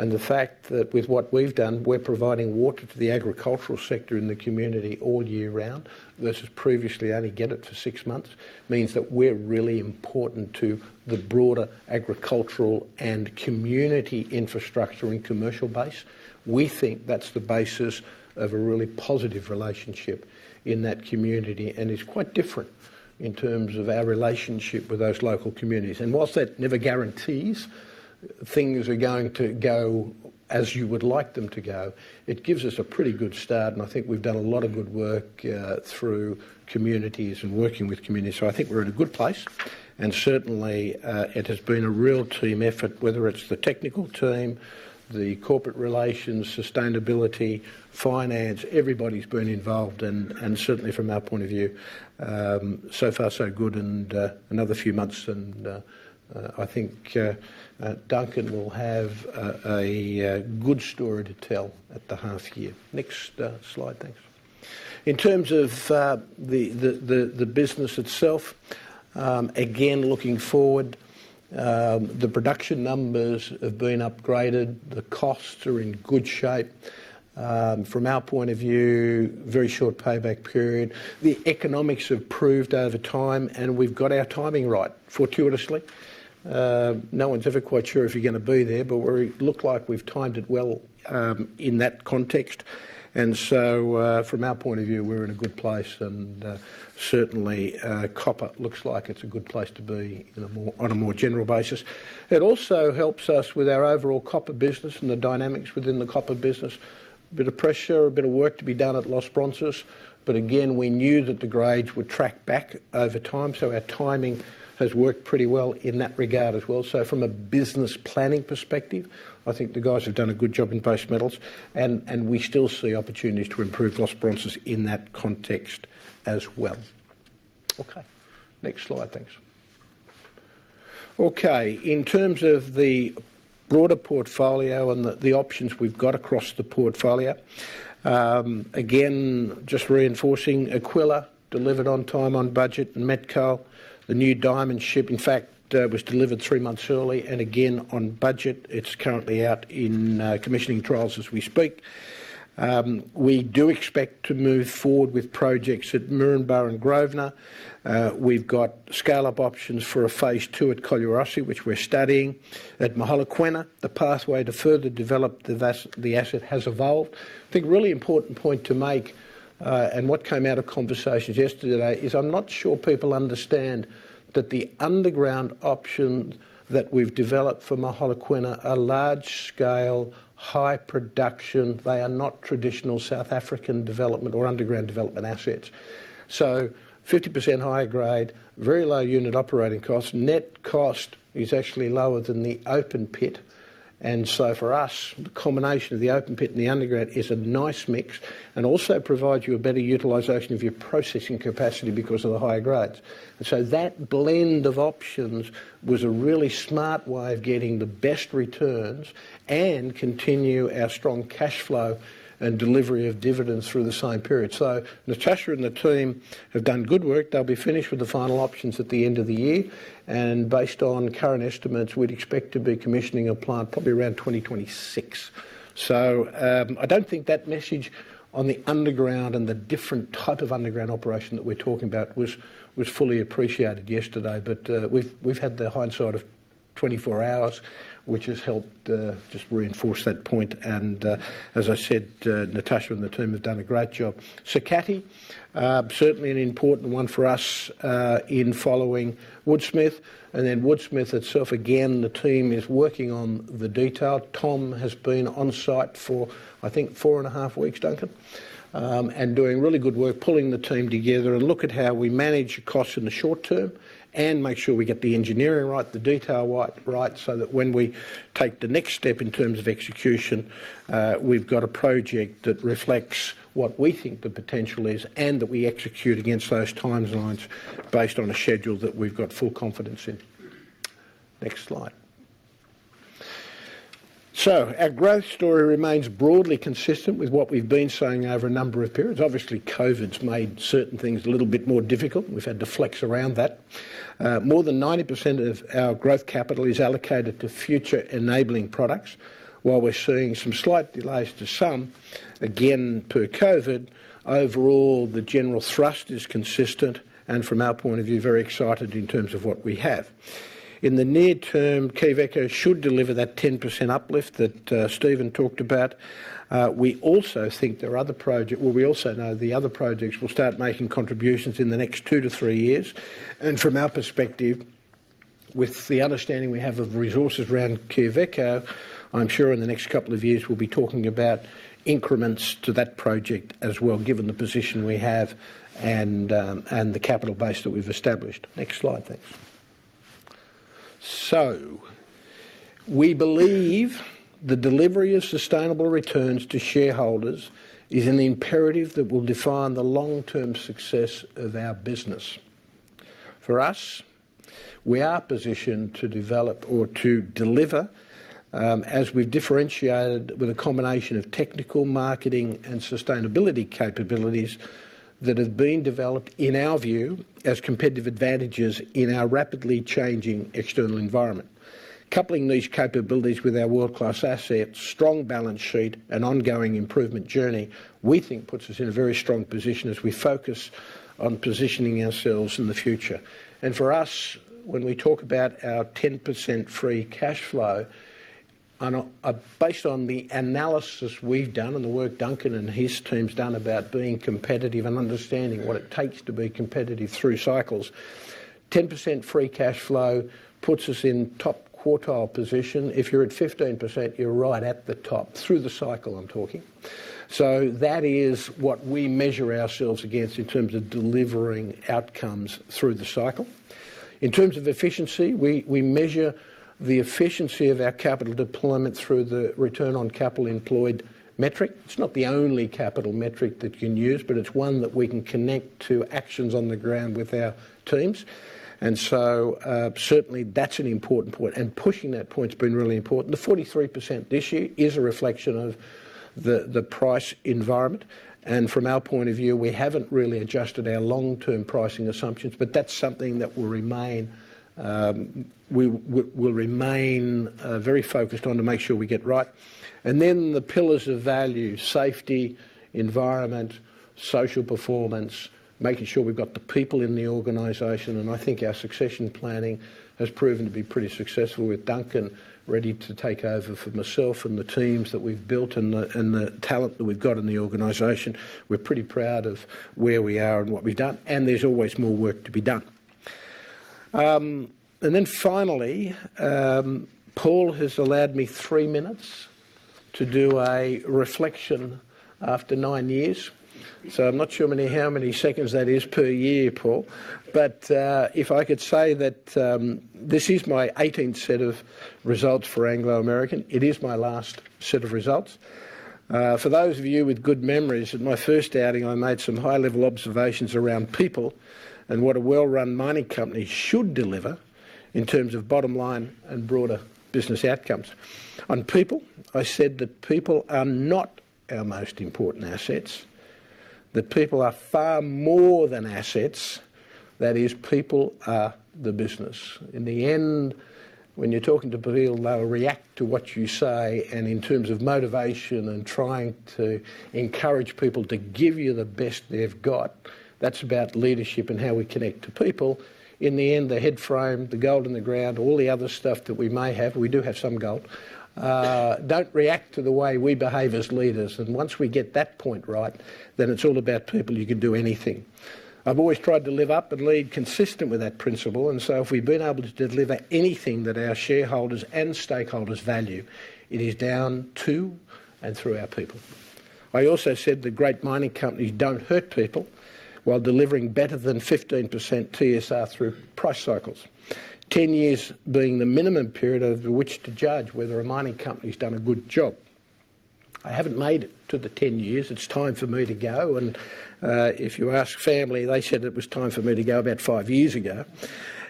B: and the fact that with what we've done, we're providing water to the agricultural sector in the community all year round, versus previously only get it for six months, means that we're really important to the broader agricultural and community infrastructure and commercial base. We think that's the basis of a really positive relationship in that community, and it's quite different in terms of our relationship with those local communities. While that never guarantees things are going to go as you would like them to go, it gives us a pretty good start. I think we've done a lot of good work, through communities and working with communities. I think we're in a good place, and certainly, it has been a real team effort, whether it's the technical team, the corporate relations, sustainability, finance. Everybody's been involved and certainly from our point of view, so far so good and another few months and I think Duncan will have a good story to tell at the half year. Next slide. Thanks. In terms of the business itself, again, looking forward, the production numbers have been upgraded. The costs are in good shape. From our point of view, very short payback period. The economics have proved over time, and we've got our timing right, fortuitously. No one's ever quite sure if you're gonna be there, but we look like we've timed it well in that context. From our point of view, we're in a good place and, certainly, copper looks like it's a good place to be on a more general basis. It also helps us with our overall copper business and the dynamics within the copper business. A bit of pressure, a bit of work to be done at Los Bronces. But again, we knew that the grades would track back over time, so our timing has worked pretty well in that regard as well. From a business planning perspective, I think the guys have done a good job in base metals. We still see opportunities to improve Los Bronces in that context as well. Okay. Next slide, thanks. Okay. In terms of the broader portfolio and the options we've got across the portfolio, again, just reinforcing Aquila delivered on time, on budget. Met coal, the new diamond ship, in fact, was delivered three months early, and again, on budget. It's currently out in commissioning trials as we speak. We do expect to move forward with projects at Murrin Murrin and Grosvenor. We've got scale-up options for a phase 2 at Collahuasi, which we're studying. At Mogalakwena, the pathway to further develop the asset has evolved. I think a really important point to make, and what came out of conversations yesterday is I'm not sure people understand that the underground option that we've developed for Mogalakwena are large scale, high production. They are not traditional South African development or underground development assets. 50% higher grade, very low unit operating cost. Net cost is actually lower than the open pit. For us, the combination of the open pit and the underground is a nice mix, and also provides you a better utilization of your processing capacity because of the higher grades. That blend of options was a really smart way of getting the best returns and continue our strong cash flow and delivery of dividends through the same period. Natasha and the team have done good work. They'll be finished with the final options at the end of the year, and based on current estimates, we'd expect to be commissioning a plant probably around 2026. I don't think that message on the underground and the different type of underground operation that we're talking about was fully appreciated yesterday. We've had the hindsight of 24 hours, which has helped just reinforce that point. As I said, Natasha and the team have done a great job. Sakatti certainly an important one for us in following Woodsmith. Then Woodsmith itself, again, the team is working on the detail. Tom has been on site for, I think, four and a half weeks, Duncan. And doing really good work, pulling the team together and look at how we manage costs in the short term and make sure we get the engineering right, the detail right, so that when we take the next step in terms of execution, we've got a project that reflects what we think the potential is and that we execute against those timelines based on a schedule that we've got full confidence in. Next slide. Our growth story remains broadly consistent with what we've been saying over a number of periods. Obviously, COVID's made certain things a little bit more difficult, and we've had to flex around that. More than 90% of our growth capital is allocated to future-enabling products. While we're seeing some slight delays to some, again per COVID, overall, the general thrust is consistent and from our point of view, very excited in terms of what we have. In the near term, Quellaveco should deliver that 10% uplift that Stephen talked about. We also know the other projects will start making contributions in the next two to three years. From our perspective, with the understanding we have of resources around Quellaveco, I'm sure in the next couple of years we'll be talking about increments to that project as well, given the position we have and the capital base that we've established. Next slide, thanks. We believe the delivery of sustainable returns to shareholders is an imperative that will define the long-term success of our business. For us, we are positioned to develop or to deliver, as we've differentiated with a combination of technical, marketing, and sustainability capabilities that have been developed, in our view, as competitive advantages in our rapidly changing external environment. Coupling these capabilities with our world-class assets, strong balance sheet, and ongoing improvement journey, we think puts us in a very strong position as we focus on positioning ourselves in the future. For us, when we talk about our 10% free cash flow. Based on the analysis we've done and the work Duncan and his team's done about being competitive and understanding what it takes to be competitive through cycles, 10% free cash flow puts us in top quartile position. If you're at 15%, you're right at the top. Through the cycle, I'm talking. That is what we measure ourselves against in terms of delivering outcomes through the cycle. In terms of efficiency, we measure the efficiency of our capital deployment through the return on capital employed metric. It's not the only capital metric that you can use, but it's one that we can connect to actions on the ground with our teams. Certainly, that's an important point. Pushing that point's been really important. The 43% this year is a reflection of the price environment. From our point of view, we haven't really adjusted our long-term pricing assumptions, but that's something that will remain. We'll remain very focused on to make sure we get right. Then the pillars of value, safety, environment, social performance, making sure we've got the people in the organization, and I think our succession planning has proven to be pretty successful with Duncan ready to take over from myself and the teams that we've built and the talent that we've got in the organization. We're pretty proud of where we are and what we've done, and there's always more work to be done. Then finally, Paul has allowed me three minutes to do a reflection after nine years. I'm not sure how many seconds that is per year, Paul. If I could say that, this is my 18th set of results for Anglo American. It is my last set of results. For those of you with good memories, at my first outing, I made some high-level observations around people and what a well-run mining company should deliver in terms of bottom line and broader business outcomes. On people, I said that people are not our most important assets, that people are far more than assets. That is, people are the business. In the end, when you're talking to people, they'll react to what you say, and in terms of motivation and trying to encourage people to give you the best they've got, that's about leadership and how we connect to people. In the end, the head frame, the gold in the ground, all the other stuff that we may have, we do have some gold, don't react to the way we behave as leaders. Once we get that point right, then it's all about people. You can do anything. I've always tried to live up and lead consistent with that principle. If we've been able to deliver anything that our shareholders and stakeholders value, it is down to and through our people. I also said that great mining companies don't hurt people while delivering better than 15% TSR through price cycles, 10 years being the minimum period over which to judge whether a mining company's done a good job. I haven't made it to the 10 years. It's time for me to go. If you ask family, they said it was time for me to go about five years ago.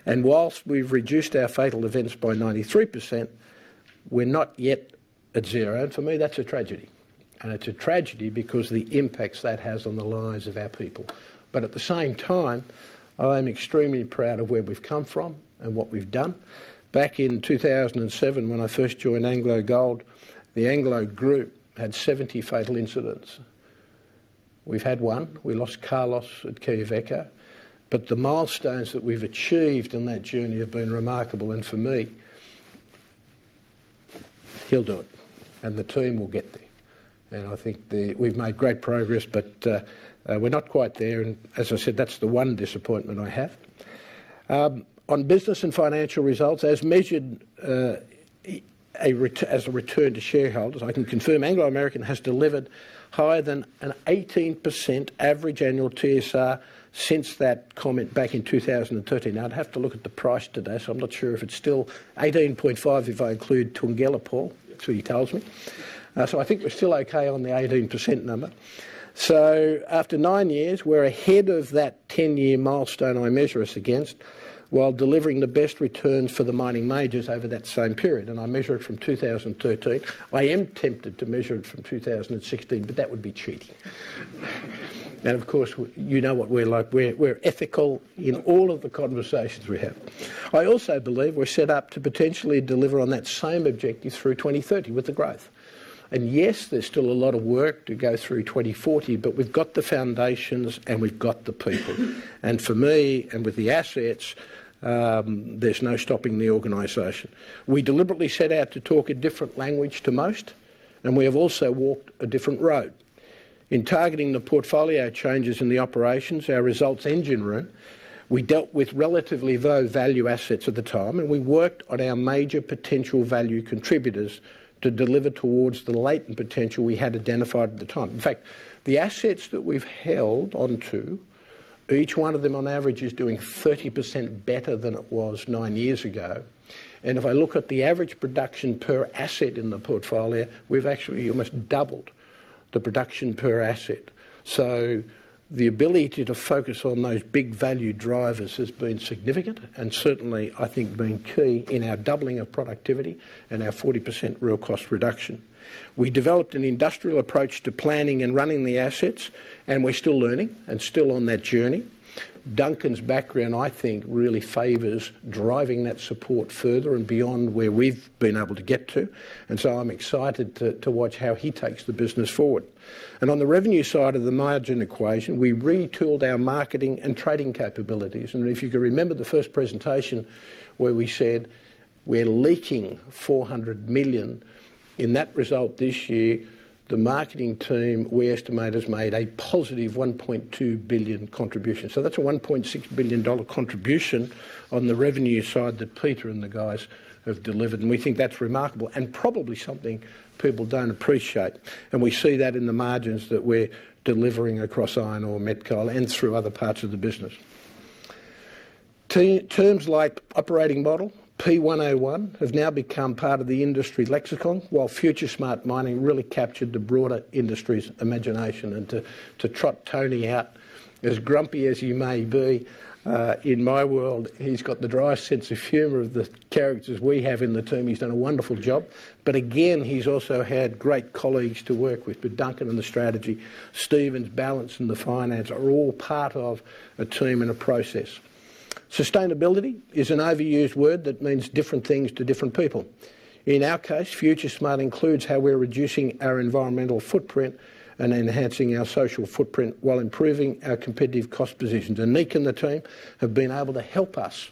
B: While we've reduced our fatal events by 93%, we're not yet at zero. For me, that's a tragedy. It's a tragedy because the impacts that has on the lives of our people. At the same time, I am extremely proud of where we've come from and what we've done. Back in 2007, when I first joined AngloGold, the Anglo group had 70 fatal incidents. We've had 1. We lost Carlos at Quellaveco. The milestones that we've achieved in that journey have been remarkable, and for me, he'll do it, and the team will get there. I think we've made great progress, but we're not quite there. As I said, that's the 1 disappointment I have. On business and financial results, as measured as a return to shareholders, I can confirm Anglo American has delivered higher than an 18% average annual TSR since that comment back in 2013. I'd have to look at the price today, so I'm not sure if it's still 18.5, if I include Thungela, Paul. That's what he tells me. I think we're still okay on the 18% number. After nine years, we're ahead of that ten-year milestone I measure us against while delivering the best returns for the mining majors over that same period. I measure it from 2013. I am tempted to measure it from 2016, but that would be cheating. Of course, you know what we're like. We're ethical in all of the conversations we have. I also believe we're set up to potentially deliver on that same objective through 2030 with the growth. Yes, there's still a lot of work to go through 2040, but we've got the foundations, and we've got the people. For me, with the assets, there's no stopping the organization. We deliberately set out to talk a different language to most, and we have also walked a different road. In targeting the portfolio changes in the operations, our results engine room, we dealt with relatively low-value assets at the time, and we worked on our major potential value contributors to deliver towards the latent potential we had identified at the time. In fact, the assets that we've held onto, each one of them on average is doing 30% better than it was nine years ago. And if I look at the average production per asset in the portfolio, we've actually almost doubled the production per asset. The ability to focus on those big value drivers has been significant and certainly, I think, been key in our doubling of productivity and our 40% real cost reduction. We developed an industrial approach to planning and running the assets, and we're still learning and still on that journey. Duncan's background, I think, really favors driving that support further and beyond where we've been able to get to. I'm excited to watch how he takes the business forward. On the revenue side of the margin equation, we retooled our marketing and trading capabilities. If you can remember the first presentation where we said we're leaking $400 million. In that result this year, the marketing team, we estimate, has made a positive $1.2 billion contribution. That's a $1.6 billion contribution on the revenue side that Peter and the guys have delivered. We think that's remarkable and probably something people don't appreciate. We see that in the margins that we're delivering across iron ore, met coal, and through other parts of the business. Terms like operating model, P101, have now become part of the industry lexicon, while FutureSmart Mining really captured the broader industry's imagination. To trot Tony out, as grumpy as he may be, in my world, he's got the driest sense of humor of the characters we have in the team. He's done a wonderful job. Again, he's also had great colleagues to work with. With Duncan and the strategy, Stephen's balance in the finance are all part of a team and a process. Sustainability is an overused word that means different things to different people. In our case, FutureSmart includes how we're reducing our environmental footprint and enhancing our social footprint while improving our competitive cost positions. Nick and the team have been able to help us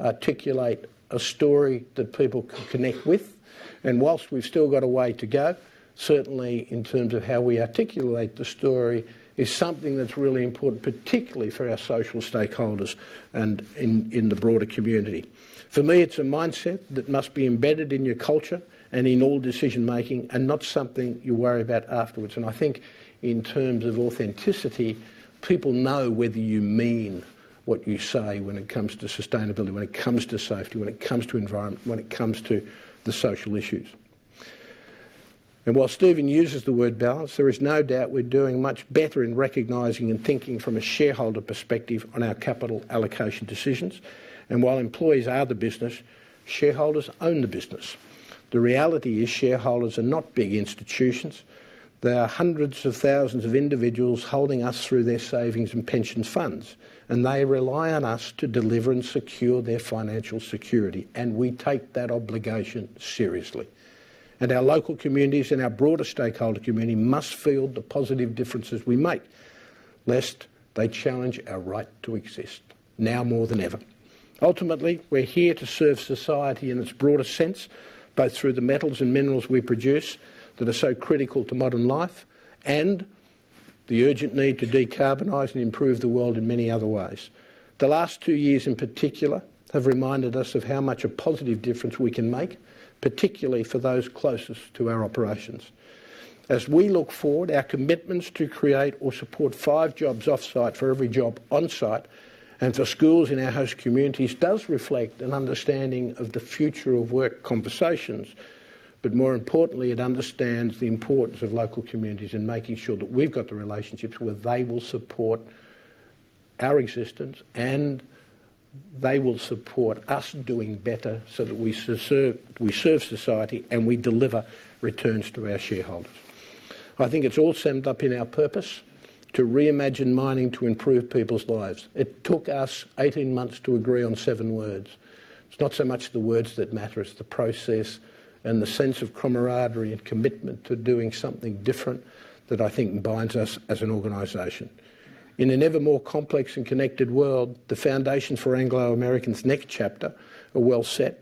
B: articulate a story that people can connect with. While we've still got a way to go, certainly in terms of how we articulate the story is something that's really important, particularly for our social stakeholders and in the broader community. For me, it's a mindset that must be embedded in your culture and in all decision-making and not something you worry about afterwards. I think in terms of authenticity, people know whether you mean what you say when it comes to sustainability, when it comes to safety, when it comes to environment, when it comes to the social issues. While Stephen uses the word balance, there is no doubt we're doing much better in recognizing and thinking from a shareholder perspective on our capital allocation decisions. While employees are the business, shareholders own the business. The reality is shareholders are not big institutions. There are hundreds of thousands of individuals holding us through their savings and pension funds, and they rely on us to deliver and secure their financial security. We take that obligation seriously. Our local communities and our broader stakeholder community must feel the positive differences we make, lest they challenge our right to exist now more than ever. Ultimately, we're here to serve society in its broadest sense, both through the metals and minerals we produce that are so critical to modern life and the urgent need to decarbonize and improve the world in many other ways. The last two years, in particular, have reminded us of how much a positive difference we can make, particularly for those closest to our operations. As we look forward, our commitments to create or support five jobs off-site for every job on-site and for schools in our host communities does reflect an understanding of the future of work conversations. More importantly, it understands the importance of local communities in making sure that we've got the relationships where they will support our existence, and they will support us doing better so that we serve society, and we deliver returns to our shareholders. I think it's all summed up in our purpose to reimagine mining to improve people's lives. It took us 18 months to agree on seven words. It's not so much the words that matter, it's the process and the sense of camaraderie and commitment to doing something different that I think binds us as an organization. In an ever more complex and connected world, the foundation for Anglo American's next chapter are well set,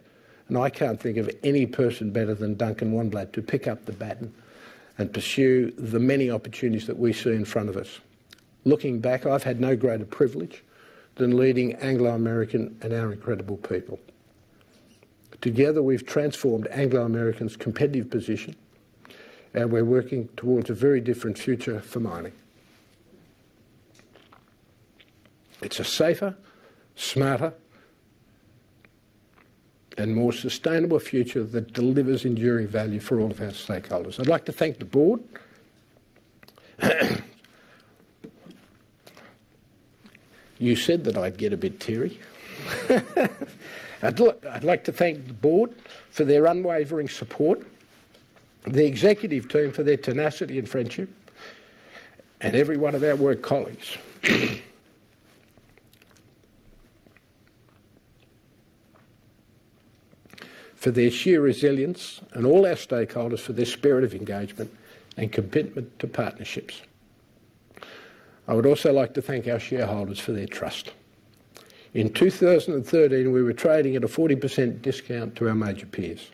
B: and I can't think of any person better than Duncan Wanblad to pick up the baton and pursue the many opportunities that we see in front of us. Looking back, I've had no greater privilege than leading Anglo American and our incredible people. Together, we've transformed Anglo American's competitive position, and we're working towards a very different future for mining. It's a safer, smarter and more sustainable future that delivers enduring value for all of our stakeholders. I'd like to thank the Board. You said that I'd get a bit teary. Look, I'd like to thank the Board for their unwavering support, the Executive team for their tenacity and friendship, and every one of our work colleagues, for their sheer resilience, and all our stakeholders for their spirit of engagement and commitment to partnerships. I would also like to thank our shareholders for their trust. In 2013, we were trading at a 40% discount to our major peers.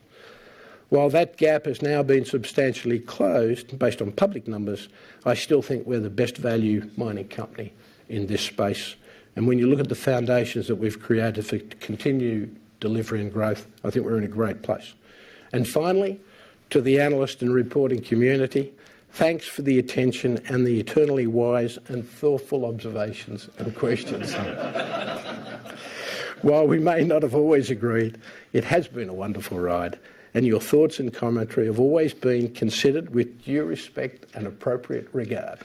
B: While that gap has now been substantially closed based on public numbers, I still think we're the best value mining company in this space. When you look at the foundations that we've created for continued delivery and growth, I think we're in a great place. Finally, to the analyst and reporting community, thanks for the attention and the eternally wise and thoughtful observations and questions. While we may not have always agreed, it has been a wonderful ride, and your thoughts and commentary have always been considered with due respect and appropriate regard.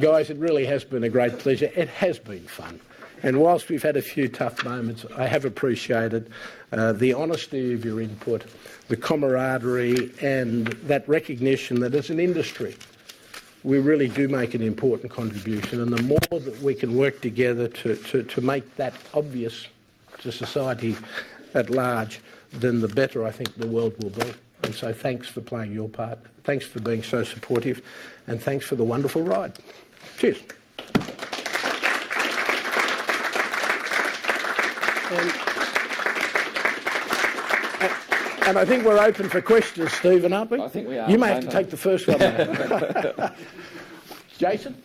B: Guys, it really has been a great pleasure. It has been fun. While we've had a few tough moments, I have appreciated the honesty of your input, the camaraderie and that recognition that as an industry we really do make an important contribution. The more that we can work together to make that obvious to society at large, then the better I think the world will be. Thanks for playing your part. Thanks for being so supportive, and thanks for the wonderful ride. Cheers. I think we're open for questions, Stephen, aren't we?
D: I think we are.
B: You may have to take the first one. Jason.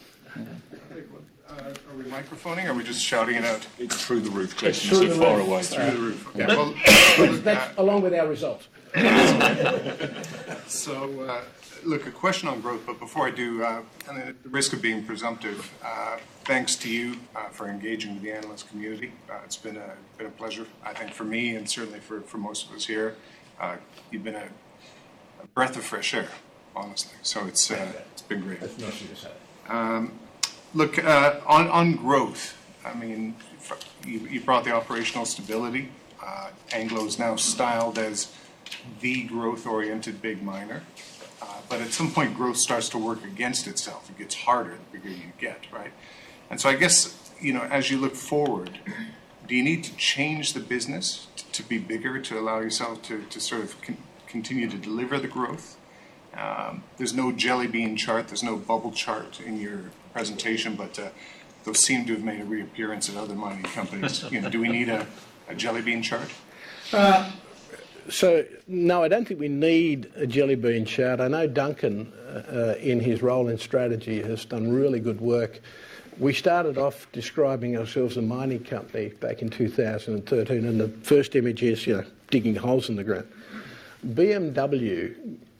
F: Are we microphoning or are we just shouting it out?
G: It's through the roof questions.
B: It's through the roof.
G: You're so far away.
F: Through the roof.
B: That's along with our results.
F: Look, a question on growth, but before I do, and at the risk of being presumptive, thanks to you for engaging with the analyst community. It's been a pleasure, I think, for me and certainly for most of us here. You've been a breath of fresh air, honestly. It's been great.
B: That's nice of you to say.
F: Look, on growth. I mean, you've brought the operational stability. Anglo's now styled as the growth-oriented big miner. At some point, growth starts to work against itself. It gets harder the bigger you get, right? I guess, you know, as you look forward, do you need to change the business to be bigger, to allow yourself to sort of continue to deliver the growth? There's no jellybean chart, there's no bubble chart in your presentation, but those seem to have made a reappearance at other mining companies. You know, do we need a jellybean chart?
B: No, I don't think we need a jellybean chart. I know Duncan in his role in strategy has done really good work. We started off describing ourselves a mining company back in 2013, and the first image is, you know, digging holes in the ground. BMW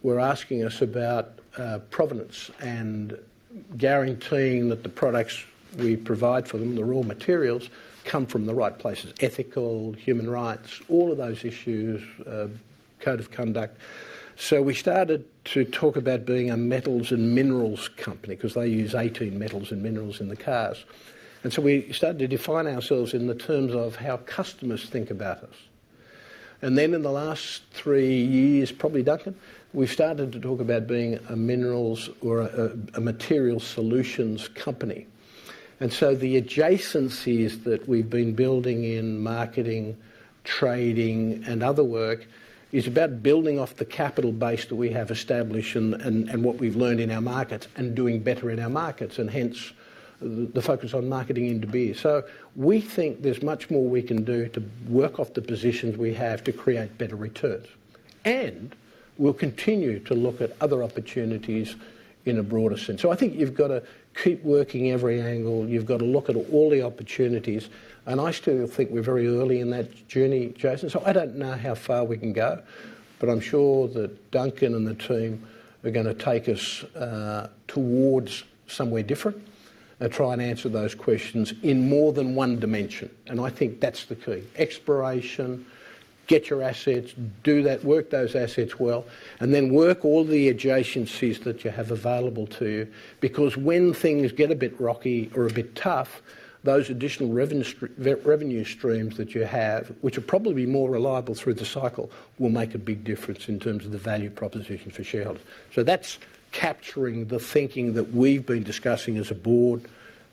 B: were asking us about provenance and guaranteeing that the products we provide for them, the raw materials, come from the right places, ethical, human rights, all of those issues, code of conduct. We started to talk about being a metals and minerals company because they use 18 metals and minerals in the cars. We started to define ourselves in the terms of how customers think about us. In the last three years, probably Duncan, we've started to talk about being a minerals or a materials solutions company. The adjacencies that we've been building in marketing, trading and other work is about building off the capital base that we have established and what we've learned in our markets and doing better in our markets, and hence the focus on marketing in Dubai. We think there's much more we can do to work off the positions we have to create better returns. We'll continue to look at other opportunities in a broader sense. I think you've got to keep working every angle. You've got to look at all the opportunities. I still think we're very early in that journey, Jason. I don't know how far we can go, but I'm sure that Duncan and the team are gonna take us towards somewhere different, try and answer those questions in more than one dimension. I think that's the key. Exploration, get your assets, work those assets well, and then work all the adjacencies that you have available to you, because when things get a bit rocky or a bit tough, those additional revenue streams that you have, which will probably be more reliable through the cycle, will make a big difference in terms of the value proposition for shareholders. That's capturing the thinking that we've been discussing as a board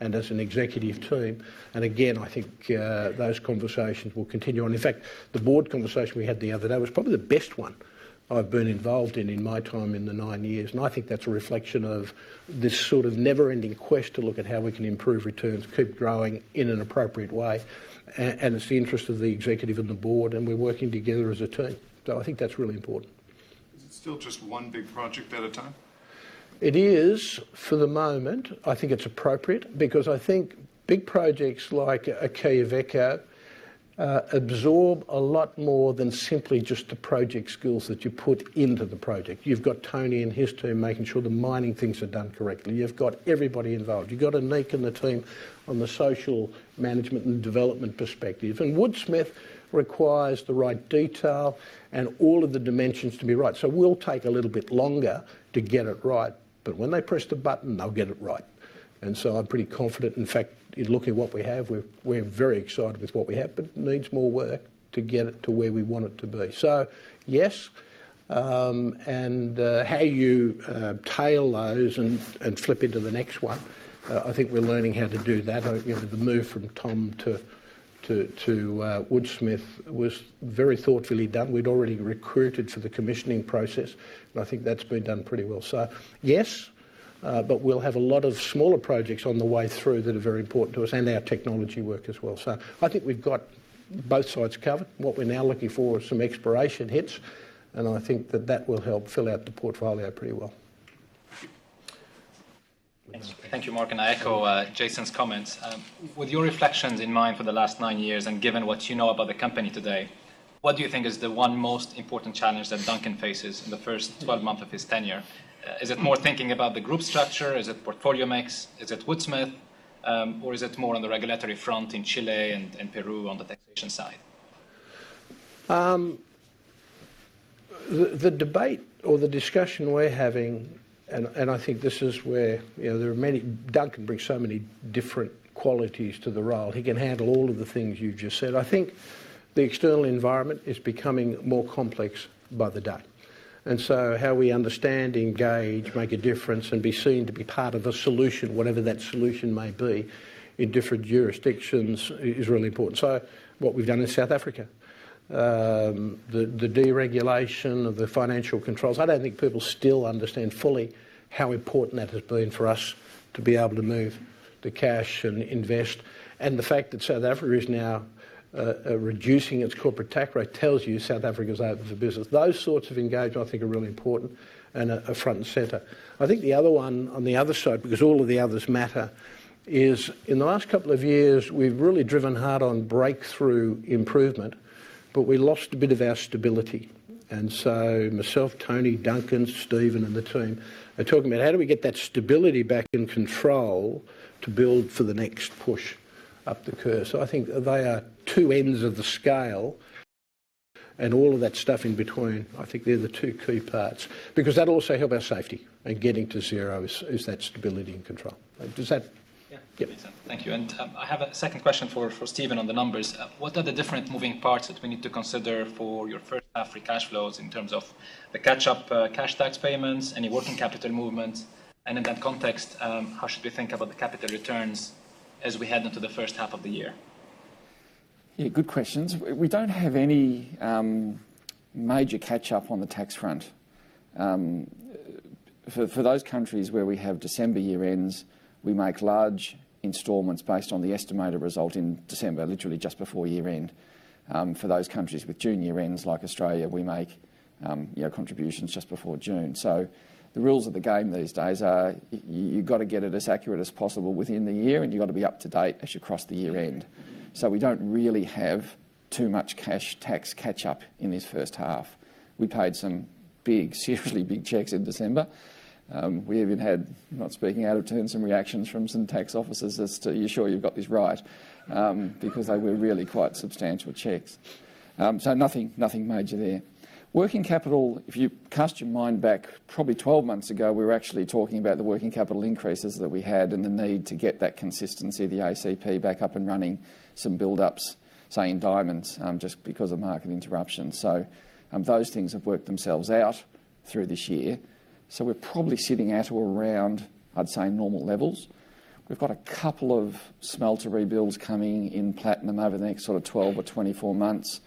B: and as an executive team. Again, I think, those conversations will continue on. In fact, the board conversation we had the other day was probably the best one I've been involved in in my time in the nine years. I think that's a reflection of this sort of never-ending quest to look at how we can improve returns, keep growing in an appropriate way, and it's in the interest of the Executive and the Board, and we're working together as a team. I think that's really important.
F: Is it still just one big project at a time?
B: It is for the moment. I think it's appropriate because I think big projects like Quellaveco absorb a lot more than simply just the project skills that you put into the project. You've got Tony and his team making sure the mining things are done correctly. You've got everybody involved. You've got Anik and the team on the social management and development perspective. Woodsmith requires the right detail and all of the dimensions to be right. We'll take a little bit longer to get it right. When they press the button, they'll get it right. I'm pretty confident. In fact, in looking at what we have, we're very excited with what we have. It needs more work to get it to where we want it to be. Yes, and how you tail those and flip into the next one, I think we're learning how to do that. You know, the move from Tom to Woodsmith was very thoughtfully done. We'd already recruited for the commissioning process. I think that's been done pretty well. We'll have a lot of smaller projects on the way through that are very important to us and our technology work as well. I think we've got both sides covered. What we're now looking for is some exploration hits. I think that will help fill out the portfolio pretty well.
H: Thank you. Thank you, Mark, and I echo Jason's comments. With your reflections in mind for the last nine years, and given what you know about the company today, what do you think is the one most important challenge that Duncan faces in the first 12 months of his tenure? Is it more thinking about the group structure? Is it portfolio mix? Is it Woodsmith? Or is it more on the regulatory front in Chile and Peru on the taxation side?
B: The debate or the discussion we're having. I think this is where, you know, there are many. Duncan brings so many different qualities to the role. He can handle all of the things you've just said. I think the external environment is becoming more complex by the day. How we understand, engage, make a difference, and be seen to be part of a solution, whatever that solution may be in different jurisdictions, is really important. What we've done in South Africa, the deregulation of the financial controls, I don't think people still understand fully how important that has been for us to be able to move the cash and invest. The fact that South Africa is now reducing its corporate tax rate tells you South Africa is open for business. Those sorts of engagement I think are really important and are front and center. I think the other one on the other side, because all of the others matter, is in the last couple of years, we've really driven hard on breakthrough improvement, but we lost a bit of our stability. Myself, Tony, Duncan, Stephen, and the team are talking about, how do we get that stability back in control to build for the next push up the curve? I think they are two ends of the scale and all of that stuff in between. I think they're the two key parts. Because that will also help our safety and getting to zero is that stability and control. Does that?
H: Yeah.
B: Yep.
H: Makes sense. Thank you. I have a second question for Stephen on the numbers. What are the different moving parts that we need to consider for your first half free cash flows in terms of the catch-up cash tax payments, any working capital movements? In that context, how should we think about the capital returns as we head into the first half of the year?
D: Yeah, good questions. We don't have any major catch up on the tax front. For those countries where we have December year ends, we make large installments based on the estimated result in December, literally just before year end. For those countries with June year ends, like Australia, we make you know, contributions just before June. The rules of the game these days are you gotta get it as accurate as possible within the year, and you've gotta be up to date as you cross the year end. We don't really have too much cash tax catch up in this first half. We paid some big, seriously big checks in December. We even had, not speaking out of turn, some reactions from some tax officers as to, "Are you sure you've got this right?" because they were really quite substantial checks. Nothing major there. Working capital, if you cast your mind back probably 12 months ago, we were actually talking about the working capital increases that we had and the need to get that consistency of the ACP back up and running. Some build-ups, say, in diamonds, just because of market interruption. Those things have worked themselves out through this year. We're probably sitting at or around, I'd say, normal levels. We've got a couple of smelter rebuilds coming in platinum over the next sort of 12 or 24 months.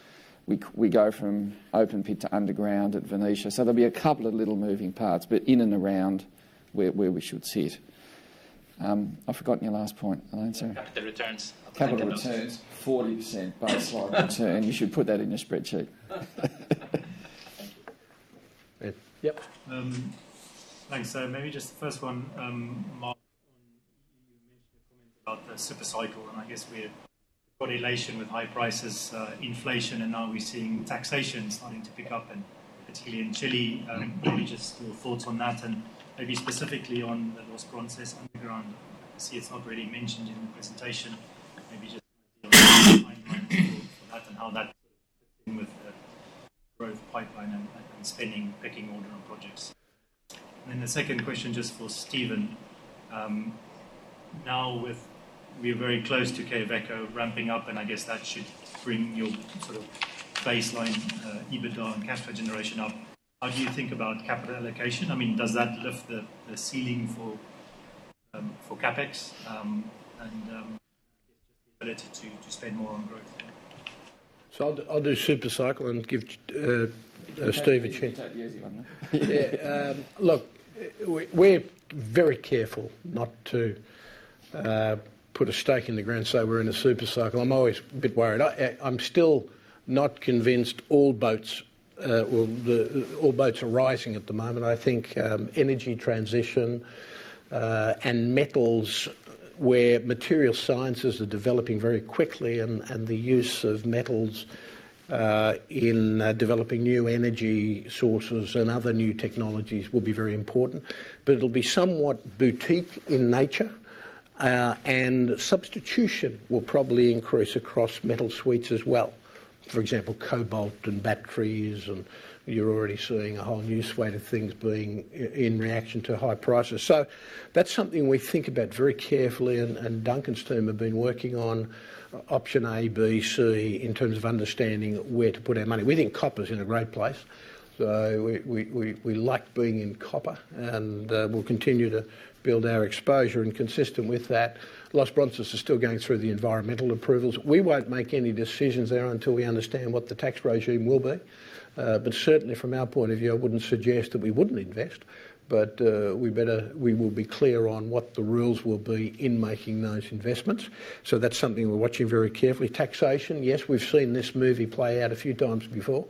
D: We go from open pit to underground at Venetia, so there'll be a couple of little moving parts, but in and around where we should sit. I've forgotten your last point. I'll answer.
H: Capital returns.
D: Capital returns.
B: 40% baseline return. You should put that in your spreadsheet.
H: Thank you.
B: Ed. Yep.
I: Thanks. Maybe just the first one, Mark. You mentioned a comment about the super cycle, and I guess we have correlation with high prices, inflation, and now we're seeing taxation starting to pick up particularly in Chile. Maybe just your thoughts on that and maybe specifically on the Los Bronces underground. I see it's not really mentioned in the presentation. Maybe just for that and how that sort of fits in with the growth pipeline and spending, pecking order on projects. Then the second question, just for Stephen. Now we are very close to Quellaveco ramping up, and I guess that should bring your sort of baseline EBITDA and cash flow generation up. How do you think about capital allocation? I mean, does that lift the ceiling for CapEx, and I guess just the ability to spend more on growth?
B: I'll do super cycle and give Steve a chance.
D: You can take the easy one then.
B: Yeah. Look, we're very careful not to put a stake in the ground and say we're in a super cycle. I'm always a bit worried. I'm still not convinced all boats are rising at the moment. I think energy transition and metals where material sciences are developing very quickly and the use of metals in developing new energy sources and other new technologies will be very important. But it'll be somewhat boutique in nature and substitution will probably increase across metal suites as well. For example, cobalt and batteries, and you're already seeing a whole new suite of things being in reaction to high prices. So that's something we think about very carefully and Duncan's team have been working on option A, B, C in terms of understanding where to put our money. We think copper's in a great place, so we like being in copper and we'll continue to build our exposure. Consistent with that, Los Bronces is still going through the environmental approvals. We won't make any decisions there until we understand what the tax regime will be. Certainly from our point of view, I wouldn't suggest that we wouldn't invest. We will be clear on what the rules will be in making those investments. That's something we're watching very carefully. Taxation, yes. We've seen this movie play out a few times before.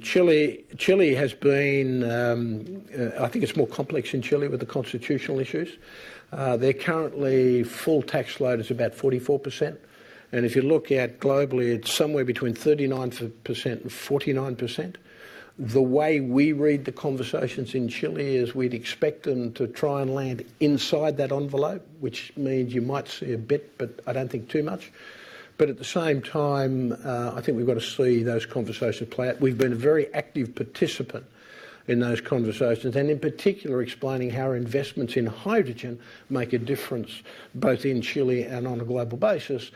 B: Chile has been. I think it's more complex in Chile with the constitutional issues. Their current full tax load is about 44%. If you look globally, it's somewhere between 39%-49%. The way we read the conversations in Chile is we'd expect them to try and land inside that envelope, which means you might see a bit, but I don't think too much. At the same time, I think we've got to see those conversations play out. We've been a very active participant in those conversations, and in particular, explaining how investments in hydrogen make a difference both in Chile and on a global basis.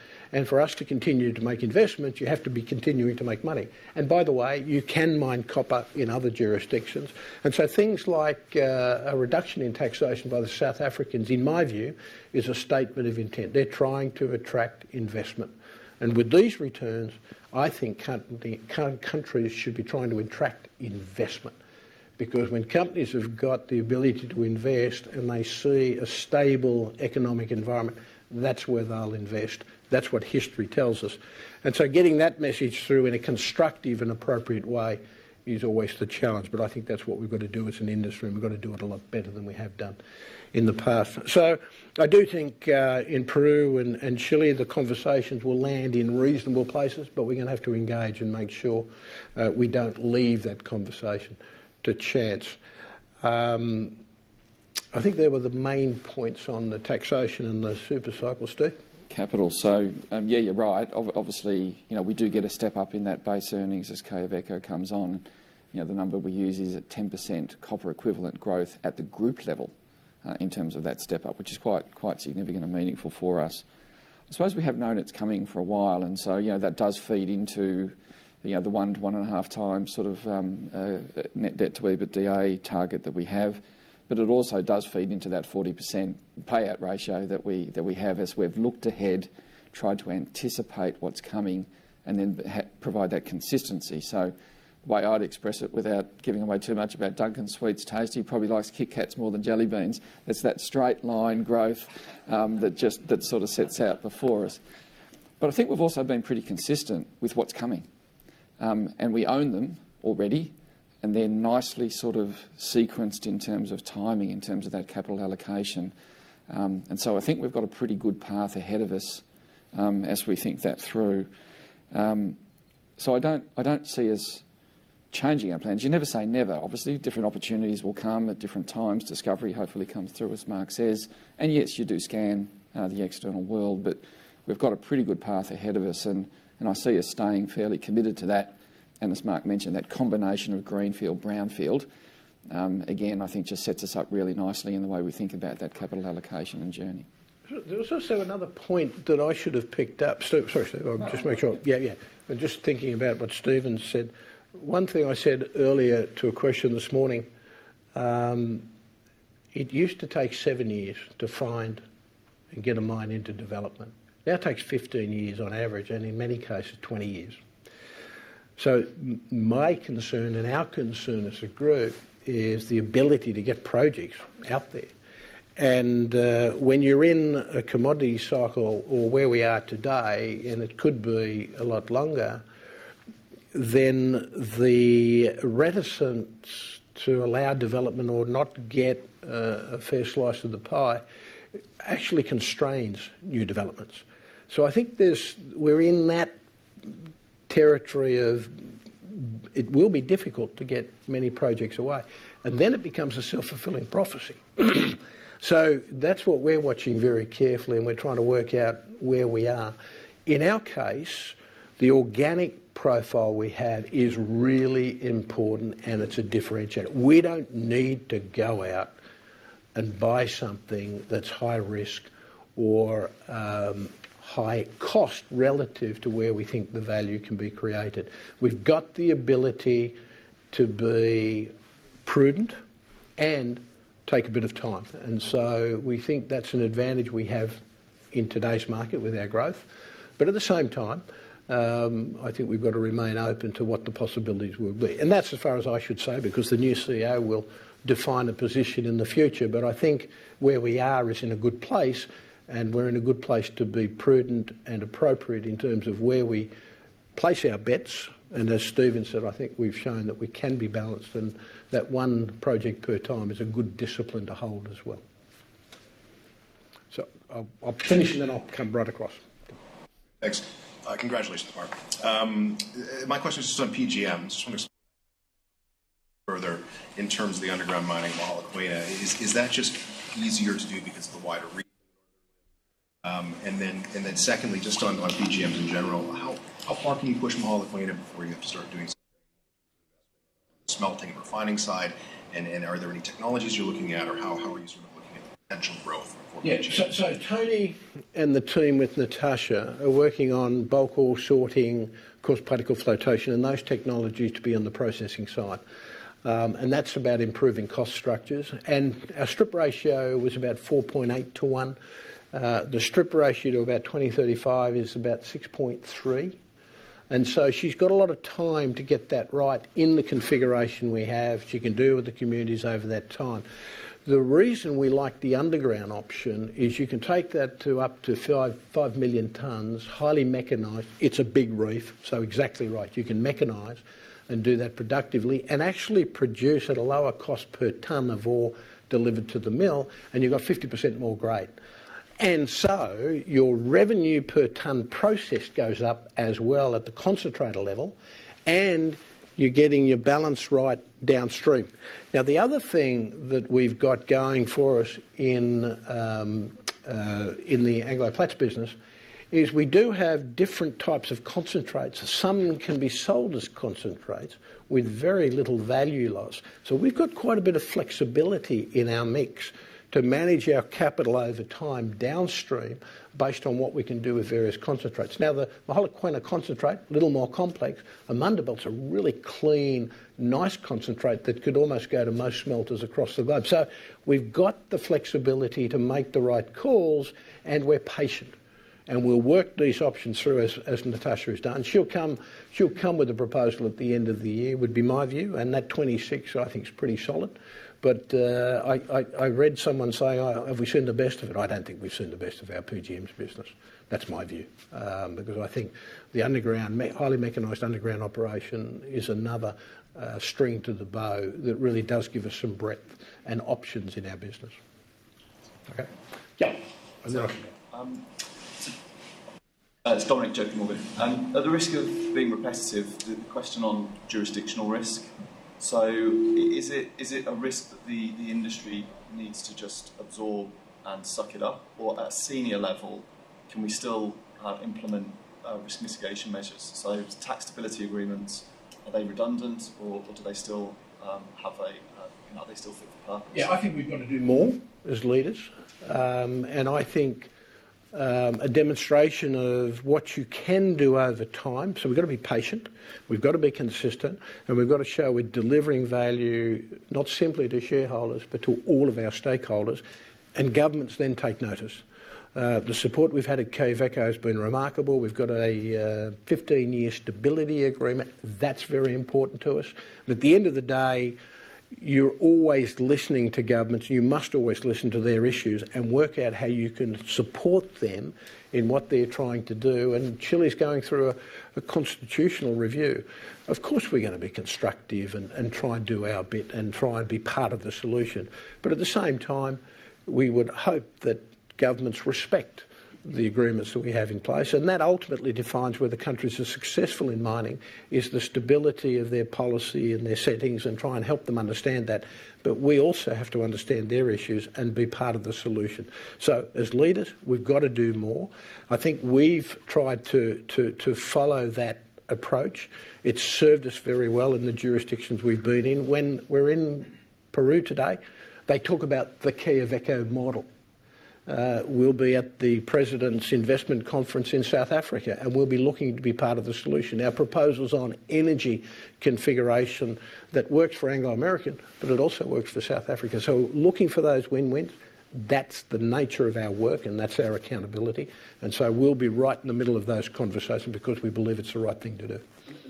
B: For us to continue to make investments, you have to be continuing to make money. By the way, you can mine copper in other jurisdictions. Things like, a reduction in taxation by the South Africans, in my view, is a statement of intent. They're trying to attract investment. With these returns, I think countries should be trying to attract investment because when companies have got the ability to invest and they see a stable economic environment, that's where they'll invest. That's what history tells us. Getting that message through in a constructive and appropriate way is always the challenge. I think that's what we've got to do as an industry, and we've got to do it a lot better than we have done in the past. I do think in Peru and Chile, the conversations will land in reasonable places, but we're gonna have to engage and make sure we don't leave that conversation to chance. I think they were the main points on the taxation and the super cycle. Steve?
D: Capital. Yeah, you're right. Obviously, you know, we do get a step-up in that base earnings as Quellaveco comes on. You know, the number we use is at 10% copper equivalent growth at the group level, in terms of that step-up, which is quite significant and meaningful for us. I suppose we have known it's coming for a while, and you know, that does feed into, you know, the 1 to 1.5 times sort of, net debt to EBITDA target that we have. But it also does feed into that 40% payout ratio that we have as we've looked ahead, tried to anticipate what's coming and then provide that consistency. The way I'd express it without giving away too much about Duncan, sweet's taste. He probably likes Kit Kats more than jelly beans. It's that straight line growth that sort of sets out before us. I think we've also been pretty consistent with what's coming. We own them already, and they're nicely sort of sequenced in terms of timing, in terms of that capital allocation. I think we've got a pretty good path ahead of us as we think that through. I don't see us changing our plans. You never say never. Obviously, different opportunities will come at different times. Discovery hopefully comes through, as Mark says. Yes, you do scan the external world, but we've got a pretty good path ahead of us, and I see us staying fairly committed to that. As Mark mentioned, that combination of greenfield/brownfield, again, I think just sets us up really nicely in the way we think about that capital allocation and journey.
B: There's also another point that I should have picked up. Steve, sorry. Just make sure. Just thinking about what Stephen said. One thing I said earlier to a question this morning, it used to take seven years to find and get a mine into development. Now it takes 15 years on average, and in many cases, 20 years. My concern and our concern as a group is the ability to get projects out there. When you're in a commodity cycle or where we are today, and it could be a lot longer, then the reticence to allow development or not get a fair slice of the pie actually constrains new developments. I think we're in that territory of it will be difficult to get many projects away, and then it becomes a self-fulfilling prophecy. That's what we're watching very carefully, and we're trying to work out where we are. In our case, the organic profile we have is really important and it's a differentiator. We don't need to go out and buy something that's high risk or high cost relative to where we think the value can be created. We've got the ability to be prudent and take a bit of time. We think that's an advantage we have in today's market with our growth. At the same time, I think we've got to remain open to what the possibilities will be. That's as far as I should say, because the new CEO will define a position in the future. I think where we are is in a good place. We're in a good place to be prudent and appropriate in terms of where we place our bets. As Stephen said, I think we've shown that we can be balanced, and that one project at a time is a good discipline to hold as well. I'll finish, and then I'll come right across.
J: Thanks. Congratulations, Mark. My question is just on PGMs. Just wanna further in terms of the underground mining model at Quellaveco. Is that just easier to do because of the wider reach? Secondly, just on PGMs in general, how far can you push them all at Quellaveco before you have to start doing smelting, refining side? Are there any technologies you're looking at, or how are you sort of looking at potential growth for PGMs?
B: Yeah. Tony and the team with Natasha are working on bulk ore sorting, coarse particle flotation, and those technologies to be on the processing side. That's about improving cost structures. Our strip ratio was about 4.8 to 1. The strip ratio to about 2035 is about 6.3. She's got a lot of time to get that right in the configuration we have. She can deal with the communities over that time. The reason we like the underground option is you can take that to up to 5 million tons, highly mechanized. It's a big reef, so exactly right. You can mechanize and do that productively and actually produce at a lower cost per ton of ore delivered to the mill, and you've got 50% more grade. Your revenue per ton processed goes up as well at the concentrator level, and you're getting your balance right downstream. Now, the other thing that we've got going for us in the Anglo Plat business is we do have different types of concentrates. Some can be sold as concentrates with very little value loss. We've got quite a bit of flexibility in our mix to manage our capital over time downstream based on what we can do with various concentrates. Now, the Mogalakwena concentrate is a little more complex. Amandelbult's a really clean, nice concentrate that could almost go to most smelters across the globe. We've got the flexibility to make the right calls, and we're patient. We'll work these options through as Natascha has done. She'll come with a proposal at the end of the year, would be my view, and that 26, I think, is pretty solid. I read someone say, "Oh, have we seen the best of it?" I don't think we've seen the best of our PGMs business. That's my view. Because I think the highly mechanized underground operation is another string to the bow that really does give us some breadth and options in our business. Okay? Yeah.
K: It's Dominic, JP Morgan. At the risk of being repetitive, the question on jurisdictional risk. Is it a risk that the industry needs to just absorb and suck it up? Or at senior level, can we still implement risk mitigation measures? Tax stability agreements, are they redundant or are they still fit for purpose?
B: Yeah. I think we've got to do more as leaders. I think a demonstration of what you can do over time. We've got to be patient, we've got to be consistent, and we've got to show we're delivering value not simply to shareholders, but to all of our stakeholders. Governments then take notice. The support we've had at Quellaveco has been remarkable. We've got a 15-year stability agreement. That's very important to us. But at the end of the day, you're always listening to governments. You must always listen to their issues and work out how you can support them in what they're trying to do. Chile's going through a constitutional review. Of course, we're gonna be constructive and try and do our bit and try and be part of the solution. At the same time, we would hope that governments respect the agreements that we have in place, and that ultimately defines whether countries are successful in mining is the stability of their policy and their settings, and try and help them understand that. We also have to understand their issues and be part of the solution. As leaders, we've got to do more. I think we've tried to follow that approach. It's served us very well in the jurisdictions we've been in. When we're in Peru today, they talk about the Quellaveco model. We'll be at the President's Investment Conference in South Africa, and we'll be looking to be part of the solution. Our proposals on energy configuration that works for Anglo American, but it also works for South Africa. Looking for those win-wins, that's the nature of our work, and that's our accountability. We'll be right in the middle of those conversations because we believe it's the right thing to do.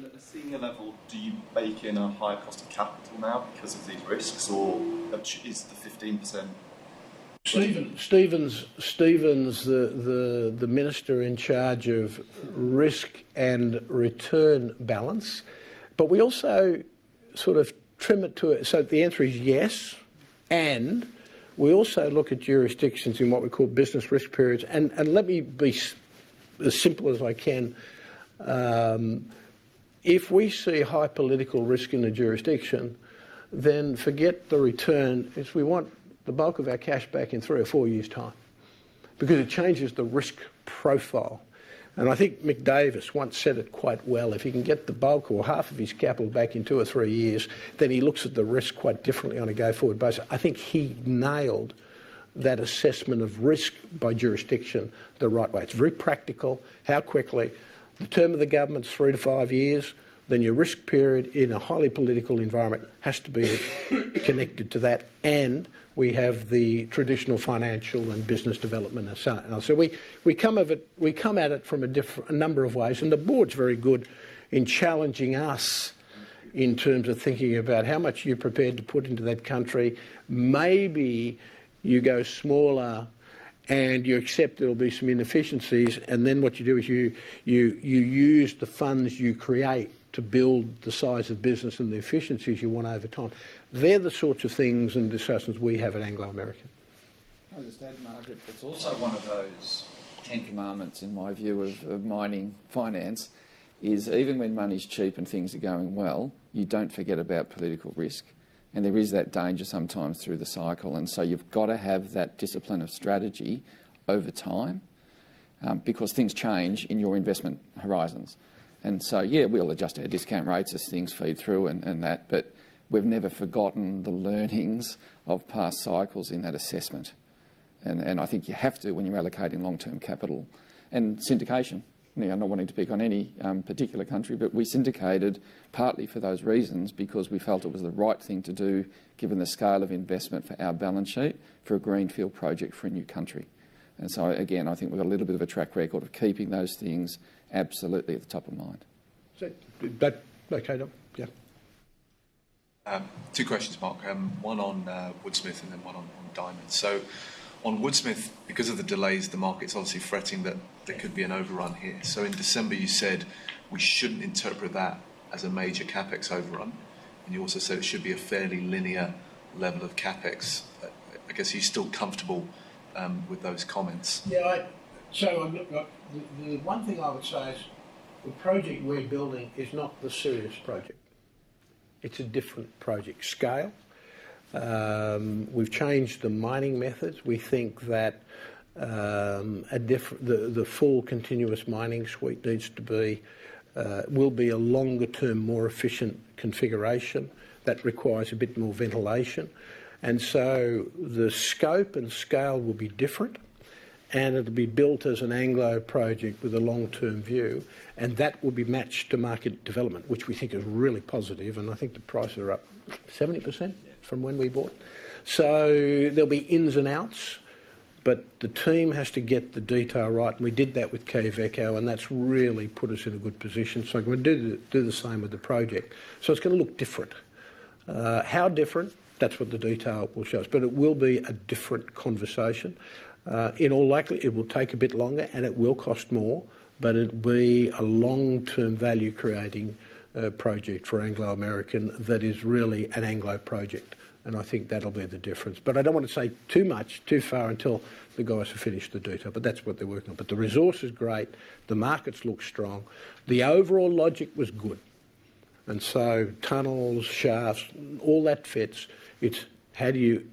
K: At the senior level, do you bake in a higher cost of capital now because of these risks, or is the 15%
B: Stephens is the minister in charge of risk and return balance. We also sort of trim it to a. The answer is yes, and we also look at jurisdictions in what we call business risk periods. Let me be as simple as I can. If we see high political risk in a jurisdiction, then forget the return if we want the bulk of our cash back in three or four years' time. Because it changes the risk profile. I think Mick Davis once said it quite well. If he can get the bulk or half of his capital back in two or three years, then he looks at the risk quite differently on a go-forward basis. I think he nailed that assessment of risk by jurisdiction the right way. It's very practical how quickly. The term of the government's 3-5 years, then your risk period in a highly political environment has to be connected to that. We have the traditional financial and business development aside. We come at it from a number of ways, and the board's very good in challenging us in terms of thinking about how much you're prepared to put into that country. Maybe you go smaller, and you accept there'll be some inefficiencies, and then what you do is you use the funds you create to build the size of business and the efficiencies you want over time. They're the sorts of things and discussions we have at Anglo American.
D: I understand, but it's also one of those ten commandments, in my view of mining finance, is even when money's cheap and things are going well, you don't forget about political risk. There is that danger sometimes through the cycle, and so you've got to have that discipline of strategy over time, because things change in your investment horizons. Yeah, we'll adjust our discount rates as things feed through and that, but we've never forgotten the learnings of past cycles in that assessment. I think you have to when you're allocating long-term capital. Syndication. Now, I'm not wanting to pick on any particular country, but we syndicated partly for those reasons because we felt it was the right thing to do given the scale of investment for our balance sheet for a greenfield project for a new country. Again, I think we've got a little bit of a track record of keeping those things absolutely at the top of mind.
B: Is that okay, though? Yeah.
L: Two questions, Mark. One on Woodsmith and then one on diamonds. On Woodsmith, because of the delays, the market's obviously fretting that there could be an overrun here. In December, you said we shouldn't interpret that as a major CapEx overrun, and you also said it should be a fairly linear level of CapEx. I guess, are you still comfortable with those comments?
B: I'm not. The one thing I would say is the project we're building is not the Sirius project. It's a different project scale. We've changed the mining methods. We think that the full continuous mining suite will be a longer term, more efficient configuration that requires a bit more ventilation. The scope and scale will be different, and it'll be built as an Anglo project with a long-term view, and that will be matched to market development, which we think is really positive, and I think the prices are up 70%.
D: Yeah.
B: From when we bought. There'll be ins and outs, but the team has to get the detail right, and we did that with Quellaveco, and that's really put us in a good position. We'll do the same with the project. It's gonna look different. How different? That's what the detail will show us. It will be a different conversation. In all likelihood, it will take a bit longer, and it will cost more, but it'll be a long-term value-creating project for Anglo American that is really an Anglo project, and I think that'll be the difference. I don't want to say too much too soon until the guys have finished the detail, but that's what they're working on. The resource is great, the markets look strong. The overall logic was good. Tunnels, shafts, all that fits. It's how do you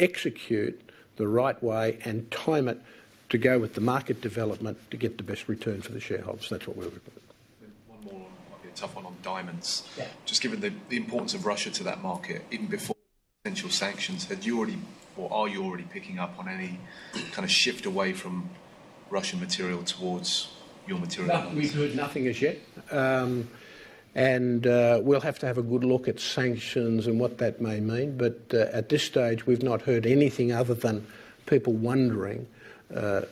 B: execute the right way and time it to go with the market development to get the best return for the shareholders. That's what we're looking at.
L: One more on, it might be a tough one, on diamonds.
B: Yeah.
L: Just given the importance of Russia to that market, even before potential sanctions, had you already or are you already picking up on any kind of shift away from Russian material towards your material?
B: No. We've heard nothing as yet. We'll have to have a good look at sanctions and what that may mean. At this stage, we've not heard anything other than people wondering,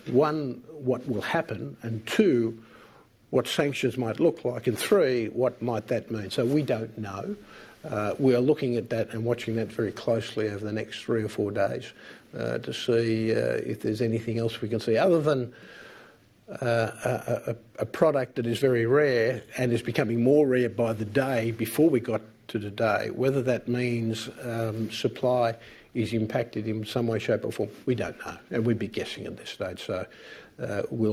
B: One, what will happen, and two, what sanctions might look like, and three, what might that mean. We don't know. We are looking at that and watching that very closely over the next 3 or 4 days to see if there's anything else we can see, other than a product that is very rare and is becoming more rare by the day before we got to today. Whether that means supply is impacted in some way, shape, or form, we don't know, and we'd be guessing at this stage. We're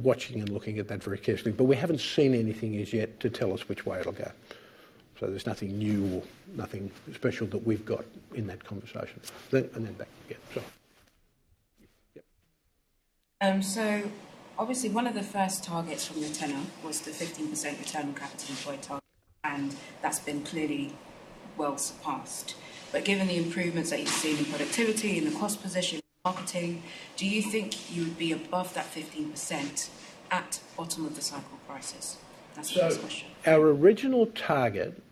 B: watching and looking at that very carefully. We haven't seen anything as yet to tell us which way it'll go. There's nothing new or nothing special that we've got in that conversation. Yeah, sure. Yeah.
M: Obviously one of the first targets from the tenner was the 15% return on capital employed target, and that's been clearly well surpassed. Given the improvements that you've seen in productivity, in the cost position, marketing, do you think you would be above that 15% at bottom of the cycle prices? That's the first question.
B: Our original target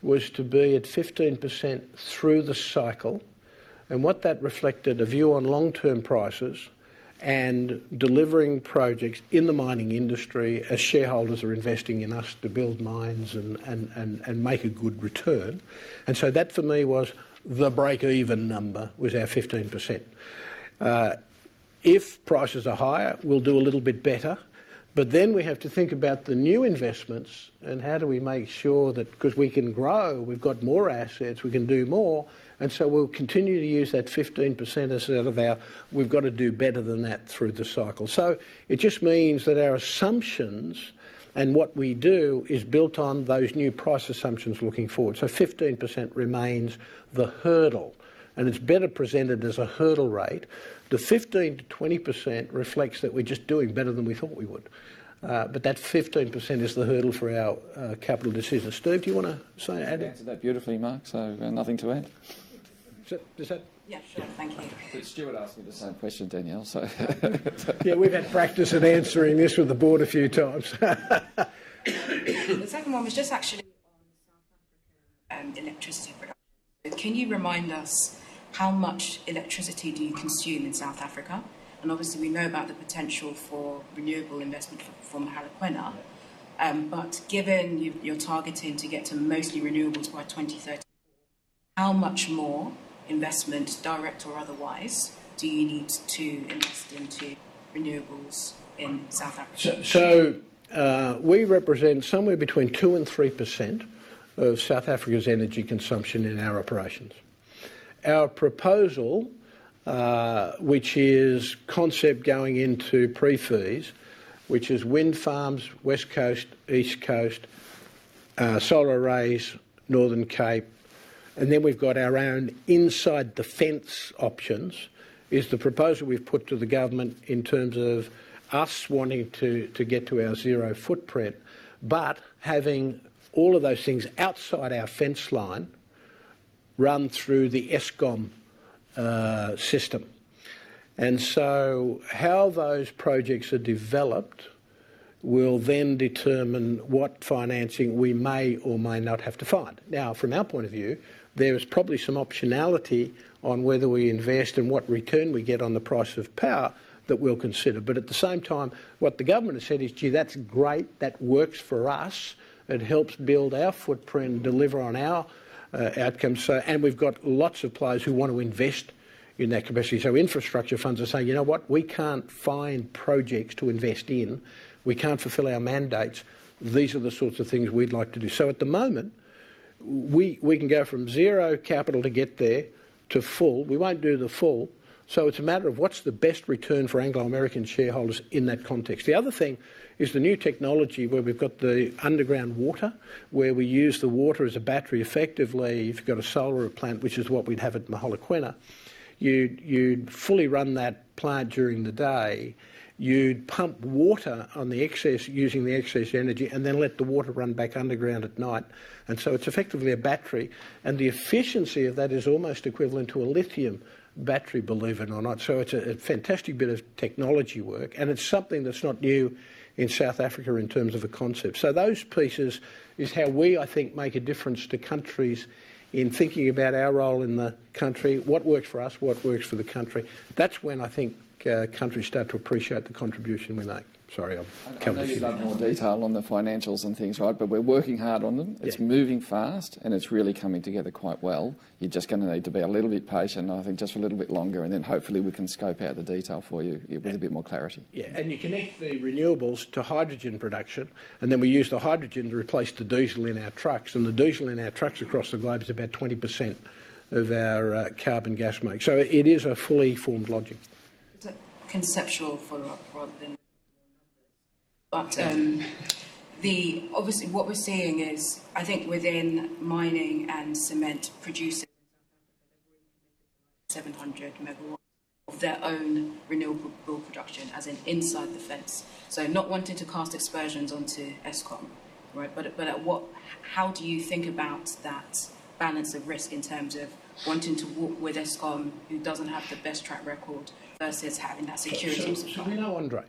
B: was to be at 15% through the cycle, and what that reflected, a view on long-term prices and delivering projects in the mining industry as shareholders are investing in us to build mines and make a good return. That for me was the break-even number, was our 15%. If prices are higher, we'll do a little bit better. Then we have to think about the new investments and how do we make sure that, 'cause we can grow, we've got more assets, we can do more. We'll continue to use that 15% as sort of our, we've got to do better than that through the cycle. It just means that our assumptions and what we do is built on those new price assumptions looking forward. 15% remains the hurdle, and it's better presented as a hurdle rate. The 15%-20% reflects that we're just doing better than we thought we would. But that 15% is the hurdle for our capital decisions. Steve, do you wanna say, add-
D: You answered that beautifully, Mark, so nothing to add.
B: Is that?
M: Yeah, sure. Thank you.
D: Stuart asked me the same question, Danielle, so
B: Yeah, we've had practice at answering this with the board a few times.
M: The second one was just actually on South Africa, electricity production. Can you remind us how much electricity do you consume in South Africa? Obviously we know about the potential for renewable investment from Hakwena. Given you're targeting to get to mostly renewables by 2030, how much more investment, direct or otherwise, do you need to invest into renewables in South Africa?
B: We represent somewhere between 2%-3% of South Africa's energy consumption in our operations. Our proposal, which is concept going into pre-feas, which is wind farms, West Coast, East Coast, solar arrays, Northern Cape, and then we've got our own inside-the-fence options, is the proposal we've put to the government in terms of us wanting to get to our zero footprint, but having all of those things outside our fence line run through the Eskom system. How those projects are developed will then determine what financing we may or may not have to find. Now, from our point of view, there is probably some optionality on whether we invest and what return we get on the price of power that we'll consider. At the same time, what the government has said is, "Gee, that's great. That works for us. It helps build our footprint, deliver on our outcomes. We've got lots of players who want to invest in that capacity. Infrastructure funds are saying, "You know what? We can't find projects to invest in. We can't fulfill our mandates. These are the sorts of things we'd like to do." At the moment, we can go from zero capital to get there to full. We won't do the full. It's a matter of what's the best return for Anglo American shareholders in that context. The other thing is the new technology where we've got the underground water, where we use the water as a battery. Effectively, if you've got a solar plant, which is what we'd have at Mogalakwena, you'd fully run that plant during the day. You'd pump water on the excess using the excess energy and then let the water run back underground at night. It's effectively a battery. The efficiency of that is almost equivalent to a lithium battery, believe it or not. It's a fantastic bit of technology work, and it's something that's not new in South Africa in terms of the concept. Those pieces is how we, I think, make a difference to countries in thinking about our role in the country, what works for us, what works for the country. That's when I think countries start to appreciate the contribution we make. Sorry, I've come to you now.
D: I know you don't have more detail on the financials and things, right? We're working hard on them.
B: Yeah.
D: It's moving fast, and it's really coming together quite well. You're just gonna need to be a little bit patient, I think, just a little bit longer, and then hopefully we can scope out the detail for you.
B: Yeah.
D: With a bit more clarity.
B: Yeah. You connect the renewables to hydrogen production, and then we use the hydrogen to replace the diesel in our trucks. The diesel in our trucks across the globe is about 20% of our carbon gas mix. It is a fully formed logic.
M: It's a conceptual follow-up rather than but. Obviously, what we're seeing is, I think within mining and cement producing 700 MW of their own renewable production inside the fence. Not wanting to cast aspersions onto Eskom, right? How do you think about that balance of risk in terms of wanting to work with Eskom who doesn't have the best track record versus having that security.
B: We know Andre.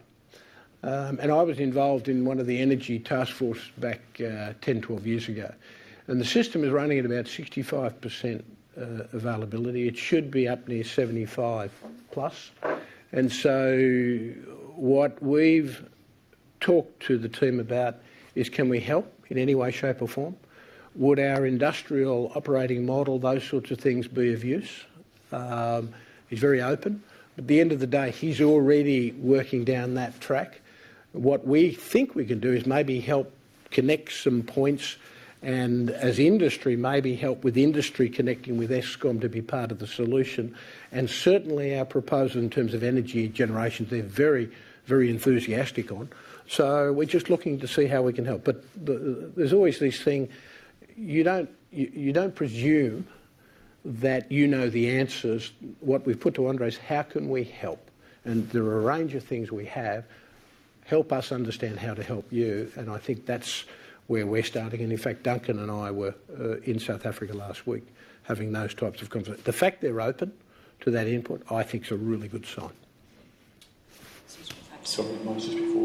B: I was involved in one of the energy task force back 10, 12 years ago. The system is running at about 65% availability. It should be up near 75+. What we've talked to the team about is can we help in any way, shape, or form? Would our industrial operating model, those sorts of things be of use? He's very open. At the end of the day, he's already working down that track. What we think we can do is maybe help connect some points and as industry, maybe help with industry connecting with Eskom to be part of the solution. Certainly our proposal in terms of energy generation, they're very, very enthusiastic on. We're just looking to see how we can help. There's always this thing. You don't presume that you know the answers. What we've put to Andre is, "How can we help?" There are a range of things we have. Help us understand how to help you. I think that's where we're starting. In fact, Duncan and I were in South Africa last week having those types of conversations. The fact they're open to that input, I think is a really good sign.
G: Sorry, Marcus, before.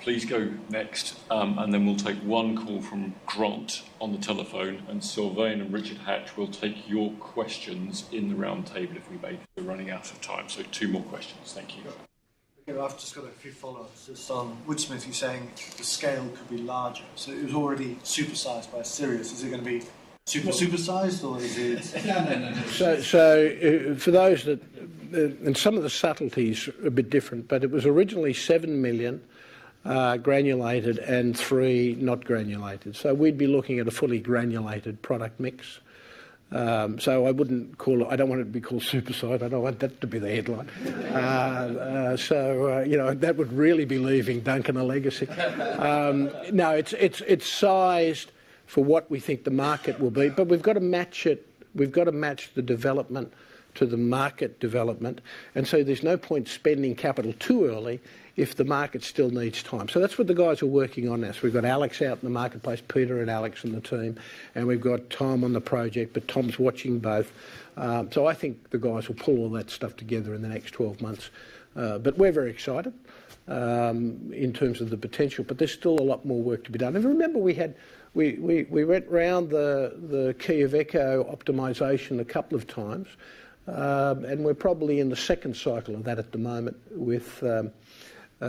G: Please go next, and then we'll take one call from Grant on the telephone. Sylvain and Richard Hatch, we'll take your questions in the round table if we may. We're running out of time. Two more questions. Thank you.
N: Okay. I've just got a few follow-ups. Just on Woodsmith, you're saying the scale could be larger. It was already supersized by Sirius. Is it gonna be super sized or is it
B: Some of the subtleties are a bit different, but it was originally 7 million granulated and 3 not granulated. We'd be looking at a fully granulated product mix. I wouldn't call it. I don't want it to be called supersized. I don't want that to be the headline. You know, that would really be leaving Duncan a legacy. No, it's sized for what we think the market will be. We've got to match it. We've got to match the development to the market development. There's no point spending capital too early if the market still needs time. That's what the guys are working on now. We've got Alex out in the marketplace, Peter and Alex and the team. We've got Tom on the project, but Tom's watching both. I think the guys will pull all that stuff together in the next 12 months. We're very excited in terms of the potential. There's still a lot more work to be done. Remember, we went round the key economic optimization a couple of times. We're probably in the second cycle of that at the moment with Woodsmith.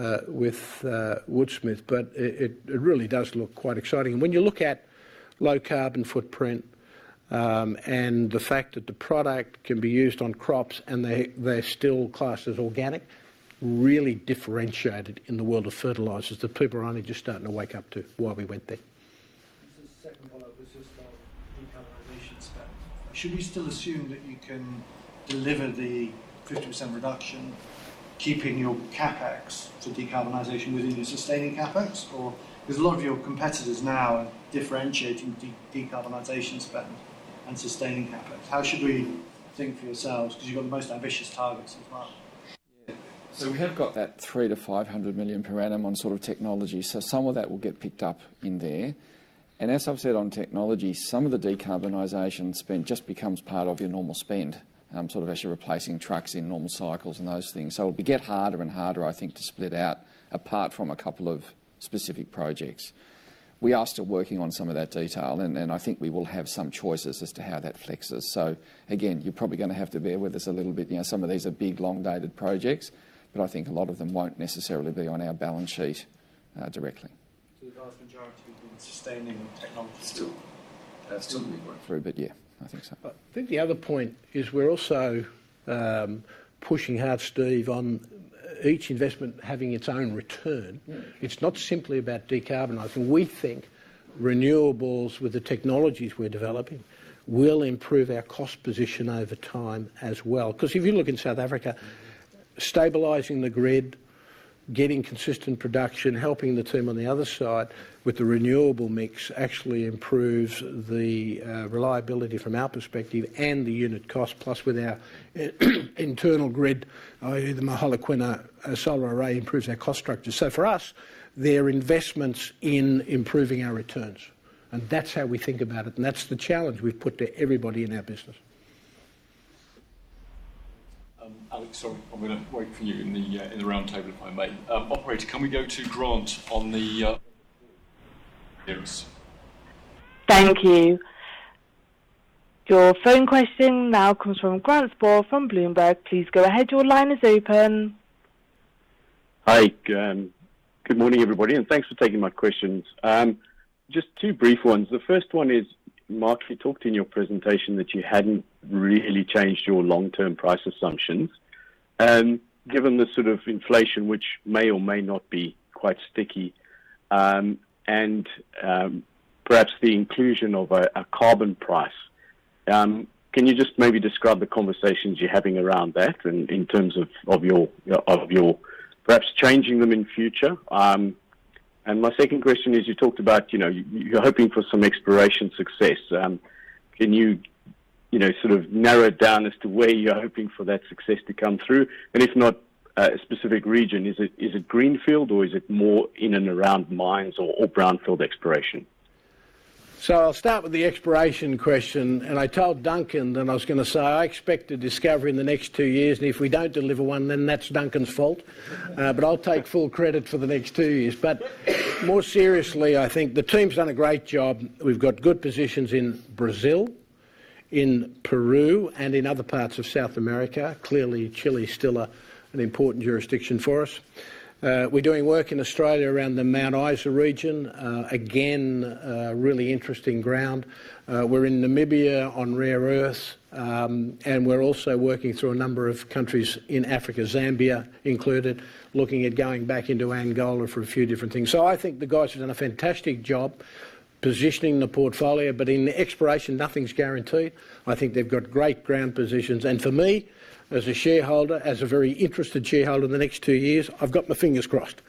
B: It really does look quite exciting. When you look at low carbon footprint and the fact that the product can be used on crops and they're still classed as organic, really differentiated in the world of fertilizers that people are only just starting to wake up to why we went there.
N: This is second follow-up. This is on decarbonization spend. Should we still assume that you can deliver the 50% reduction, keeping your CapEx to decarbonization within your sustaining CapEx? Or, 'cause a lot of your competitors now are differentiating decarbonization spend and sustaining CapEx. How should we think for yourselves, 'cause you've got the most ambitious targets in the market?
D: Yeah. We have got that $300 million-$500 million per annum on sort of technology, so some of that will get picked up in there. As I've said on technology, some of the decarbonization spend just becomes part of your normal spend, sort of actually replacing trucks in normal cycles and those things. It'll be harder and harder, I think, to split out apart from a couple of specific projects. We are still working on some of that detail and I think we will have some choices as to how that flexes. Again, you're probably gonna have to bear with us a little bit. You know, some of these are big, long-dated projects, but I think a lot of them won't necessarily be on our balance sheet directly.
N: The vast majority will be in sustaining technology still?
D: Still to be worked through, but yeah. I think so.
B: I think the other point is we're also pushing hard, Steve, on each investment having its own return.
D: Mm-hmm.
B: It's not simply about decarbonizing. We think renewables with the technologies we're developing will improve our cost position over time as well. 'Cause if you look in South Africa, stabilizing the grid, getting consistent production, helping the team on the other side with the renewable mix actually improves the reliability from our perspective and the unit cost, plus with our internal grid, i.e. the Mogalakwena solar array improves our cost structure. For us, they're investments in improving our returns, and that's how we think about it, and that's the challenge we've put to everybody in our business.
G: Alex, sorry. I'm gonna wait for you in the roundtable, if I may. Operator, can we go to Grant on the line please?
O: Thank you. Your phone question now comes from Grant Sporre from Bloomberg. Please go ahead. Your line is open.
P: Hi, good morning, everybody, and thanks for taking my questions. Just two brief ones. The first one is, Mark, you talked in your presentation that you hadn't really changed your long-term price assumptions. Given the sort of inflation which may or may not be quite sticky, and perhaps the inclusion of a carbon price, can you just maybe describe the conversations you're having around that in terms of your perhaps changing them in future? And my second question is, you talked about, you know, you're hoping for some exploration success. Can you know, sort of narrow it down as to where you're hoping for that success to come through? And if not a specific region, is it greenfield or is it more in and around mines or brownfield exploration?
B: I'll start with the exploration question. I told Duncan that I was gonna say I expect a discovery in the next two years, and if we don't deliver one, then that's Duncan's fault. But I'll take full credit for the next two years. More seriously, I think the team's done a great job. We've got good positions in Brazil, in Peru, and in other parts of South America. Clearly, Chile's still an important jurisdiction for us. We're doing work in Australia around the Mount Isa region. Again, a really interesting ground. We're in Namibia on rare earths, and we're also working through a number of countries in Africa, Zambia included, looking at going back into Angola for a few different things. I think the guys have done a fantastic job positioning the portfolio, but in exploration, nothing's guaranteed. I think they've got great ground positions. For me, as a shareholder, as a very interested shareholder in the next two years, I've got my fingers crossed.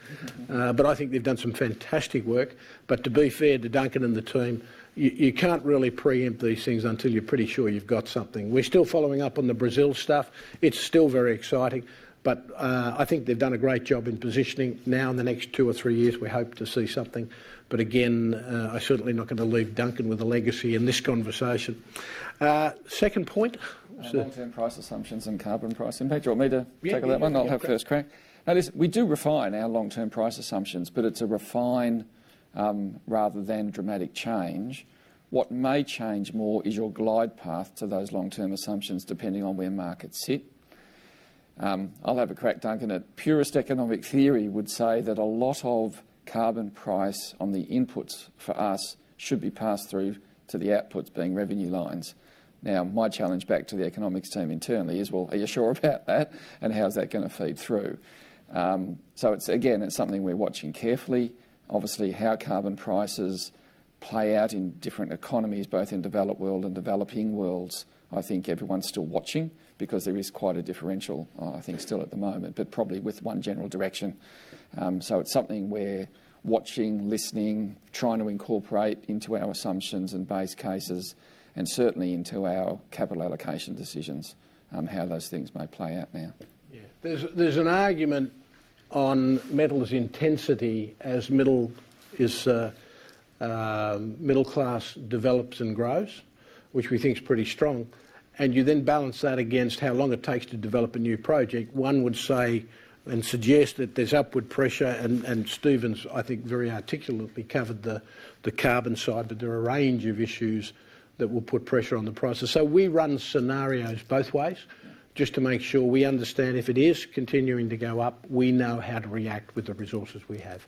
B: I think they've done some fantastic work. To be fair to Duncan and the team, you can't really preempt these things until you're pretty sure you've got something. We're still following up on the Brazil stuff. It's still very exciting. I think they've done a great job in positioning. Now in the next two or three years, we hope to see something. I'm certainly not gonna leave Duncan with a legacy in this conversation. Second point.
D: Our long-term price assumptions and carbon pricing. Mark, do you want me to take that one?
B: Yeah.
D: I'll have first crack. Now, listen, we do refine our long-term price assumptions, but it's a refine rather than dramatic change. What may change more is your glide path to those long-term assumptions, depending on where markets sit. I'll have a crack, Duncan. A purist economic theory would say that a lot of carbon price on the inputs for us should be passed through to the outputs, being revenue lines. Now, my challenge back to the economics team internally is, well, are you sure about that? How's that gonna feed through? It's, again, it's something we're watching carefully. Obviously, how carbon prices play out in different economies, both in developed world and developing worlds. I think everyone's still watching because there is quite a differential, I think still at the moment, but probably with one general direction. It's something we're watching, listening, trying to incorporate into our assumptions and base cases, and certainly into our capital allocation decisions on how those things may play out now.
B: Yeah. There's an argument on metals intensity as middle class develops and grows, which we think is pretty strong. You then balance that against how long it takes to develop a new project. One would say and suggest that there's upward pressure and Stephen's, I think, very articulately covered the carbon side. There are a range of issues that will put pressure on the prices. We run scenarios both ways just to make sure we understand if it is continuing to go up, we know how to react with the resources we have.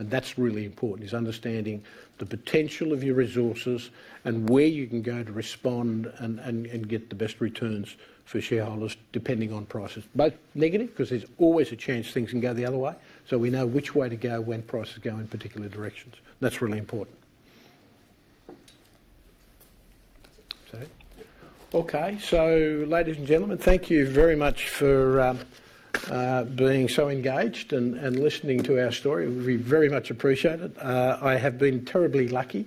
B: That's really important, is understanding the potential of your resources and where you can go to respond and get the best returns for shareholders, depending on prices. Both negative, 'cause there's always a chance things can go the other way. We know which way to go when prices go in particular directions. That's really important. Steve?
D: Yeah.
B: Okay. Ladies and gentlemen, thank you very much for being so engaged and listening to our story. We very much appreciate it. I have been terribly lucky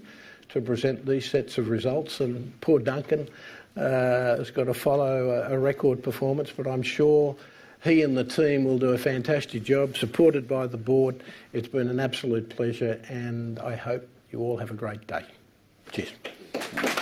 B: to present these sets of results. Poor Duncan has got to follow a record performance, but I'm sure he and the team will do a fantastic job, supported by the board. It's been an absolute pleasure, and I hope you all have a great day. Cheers.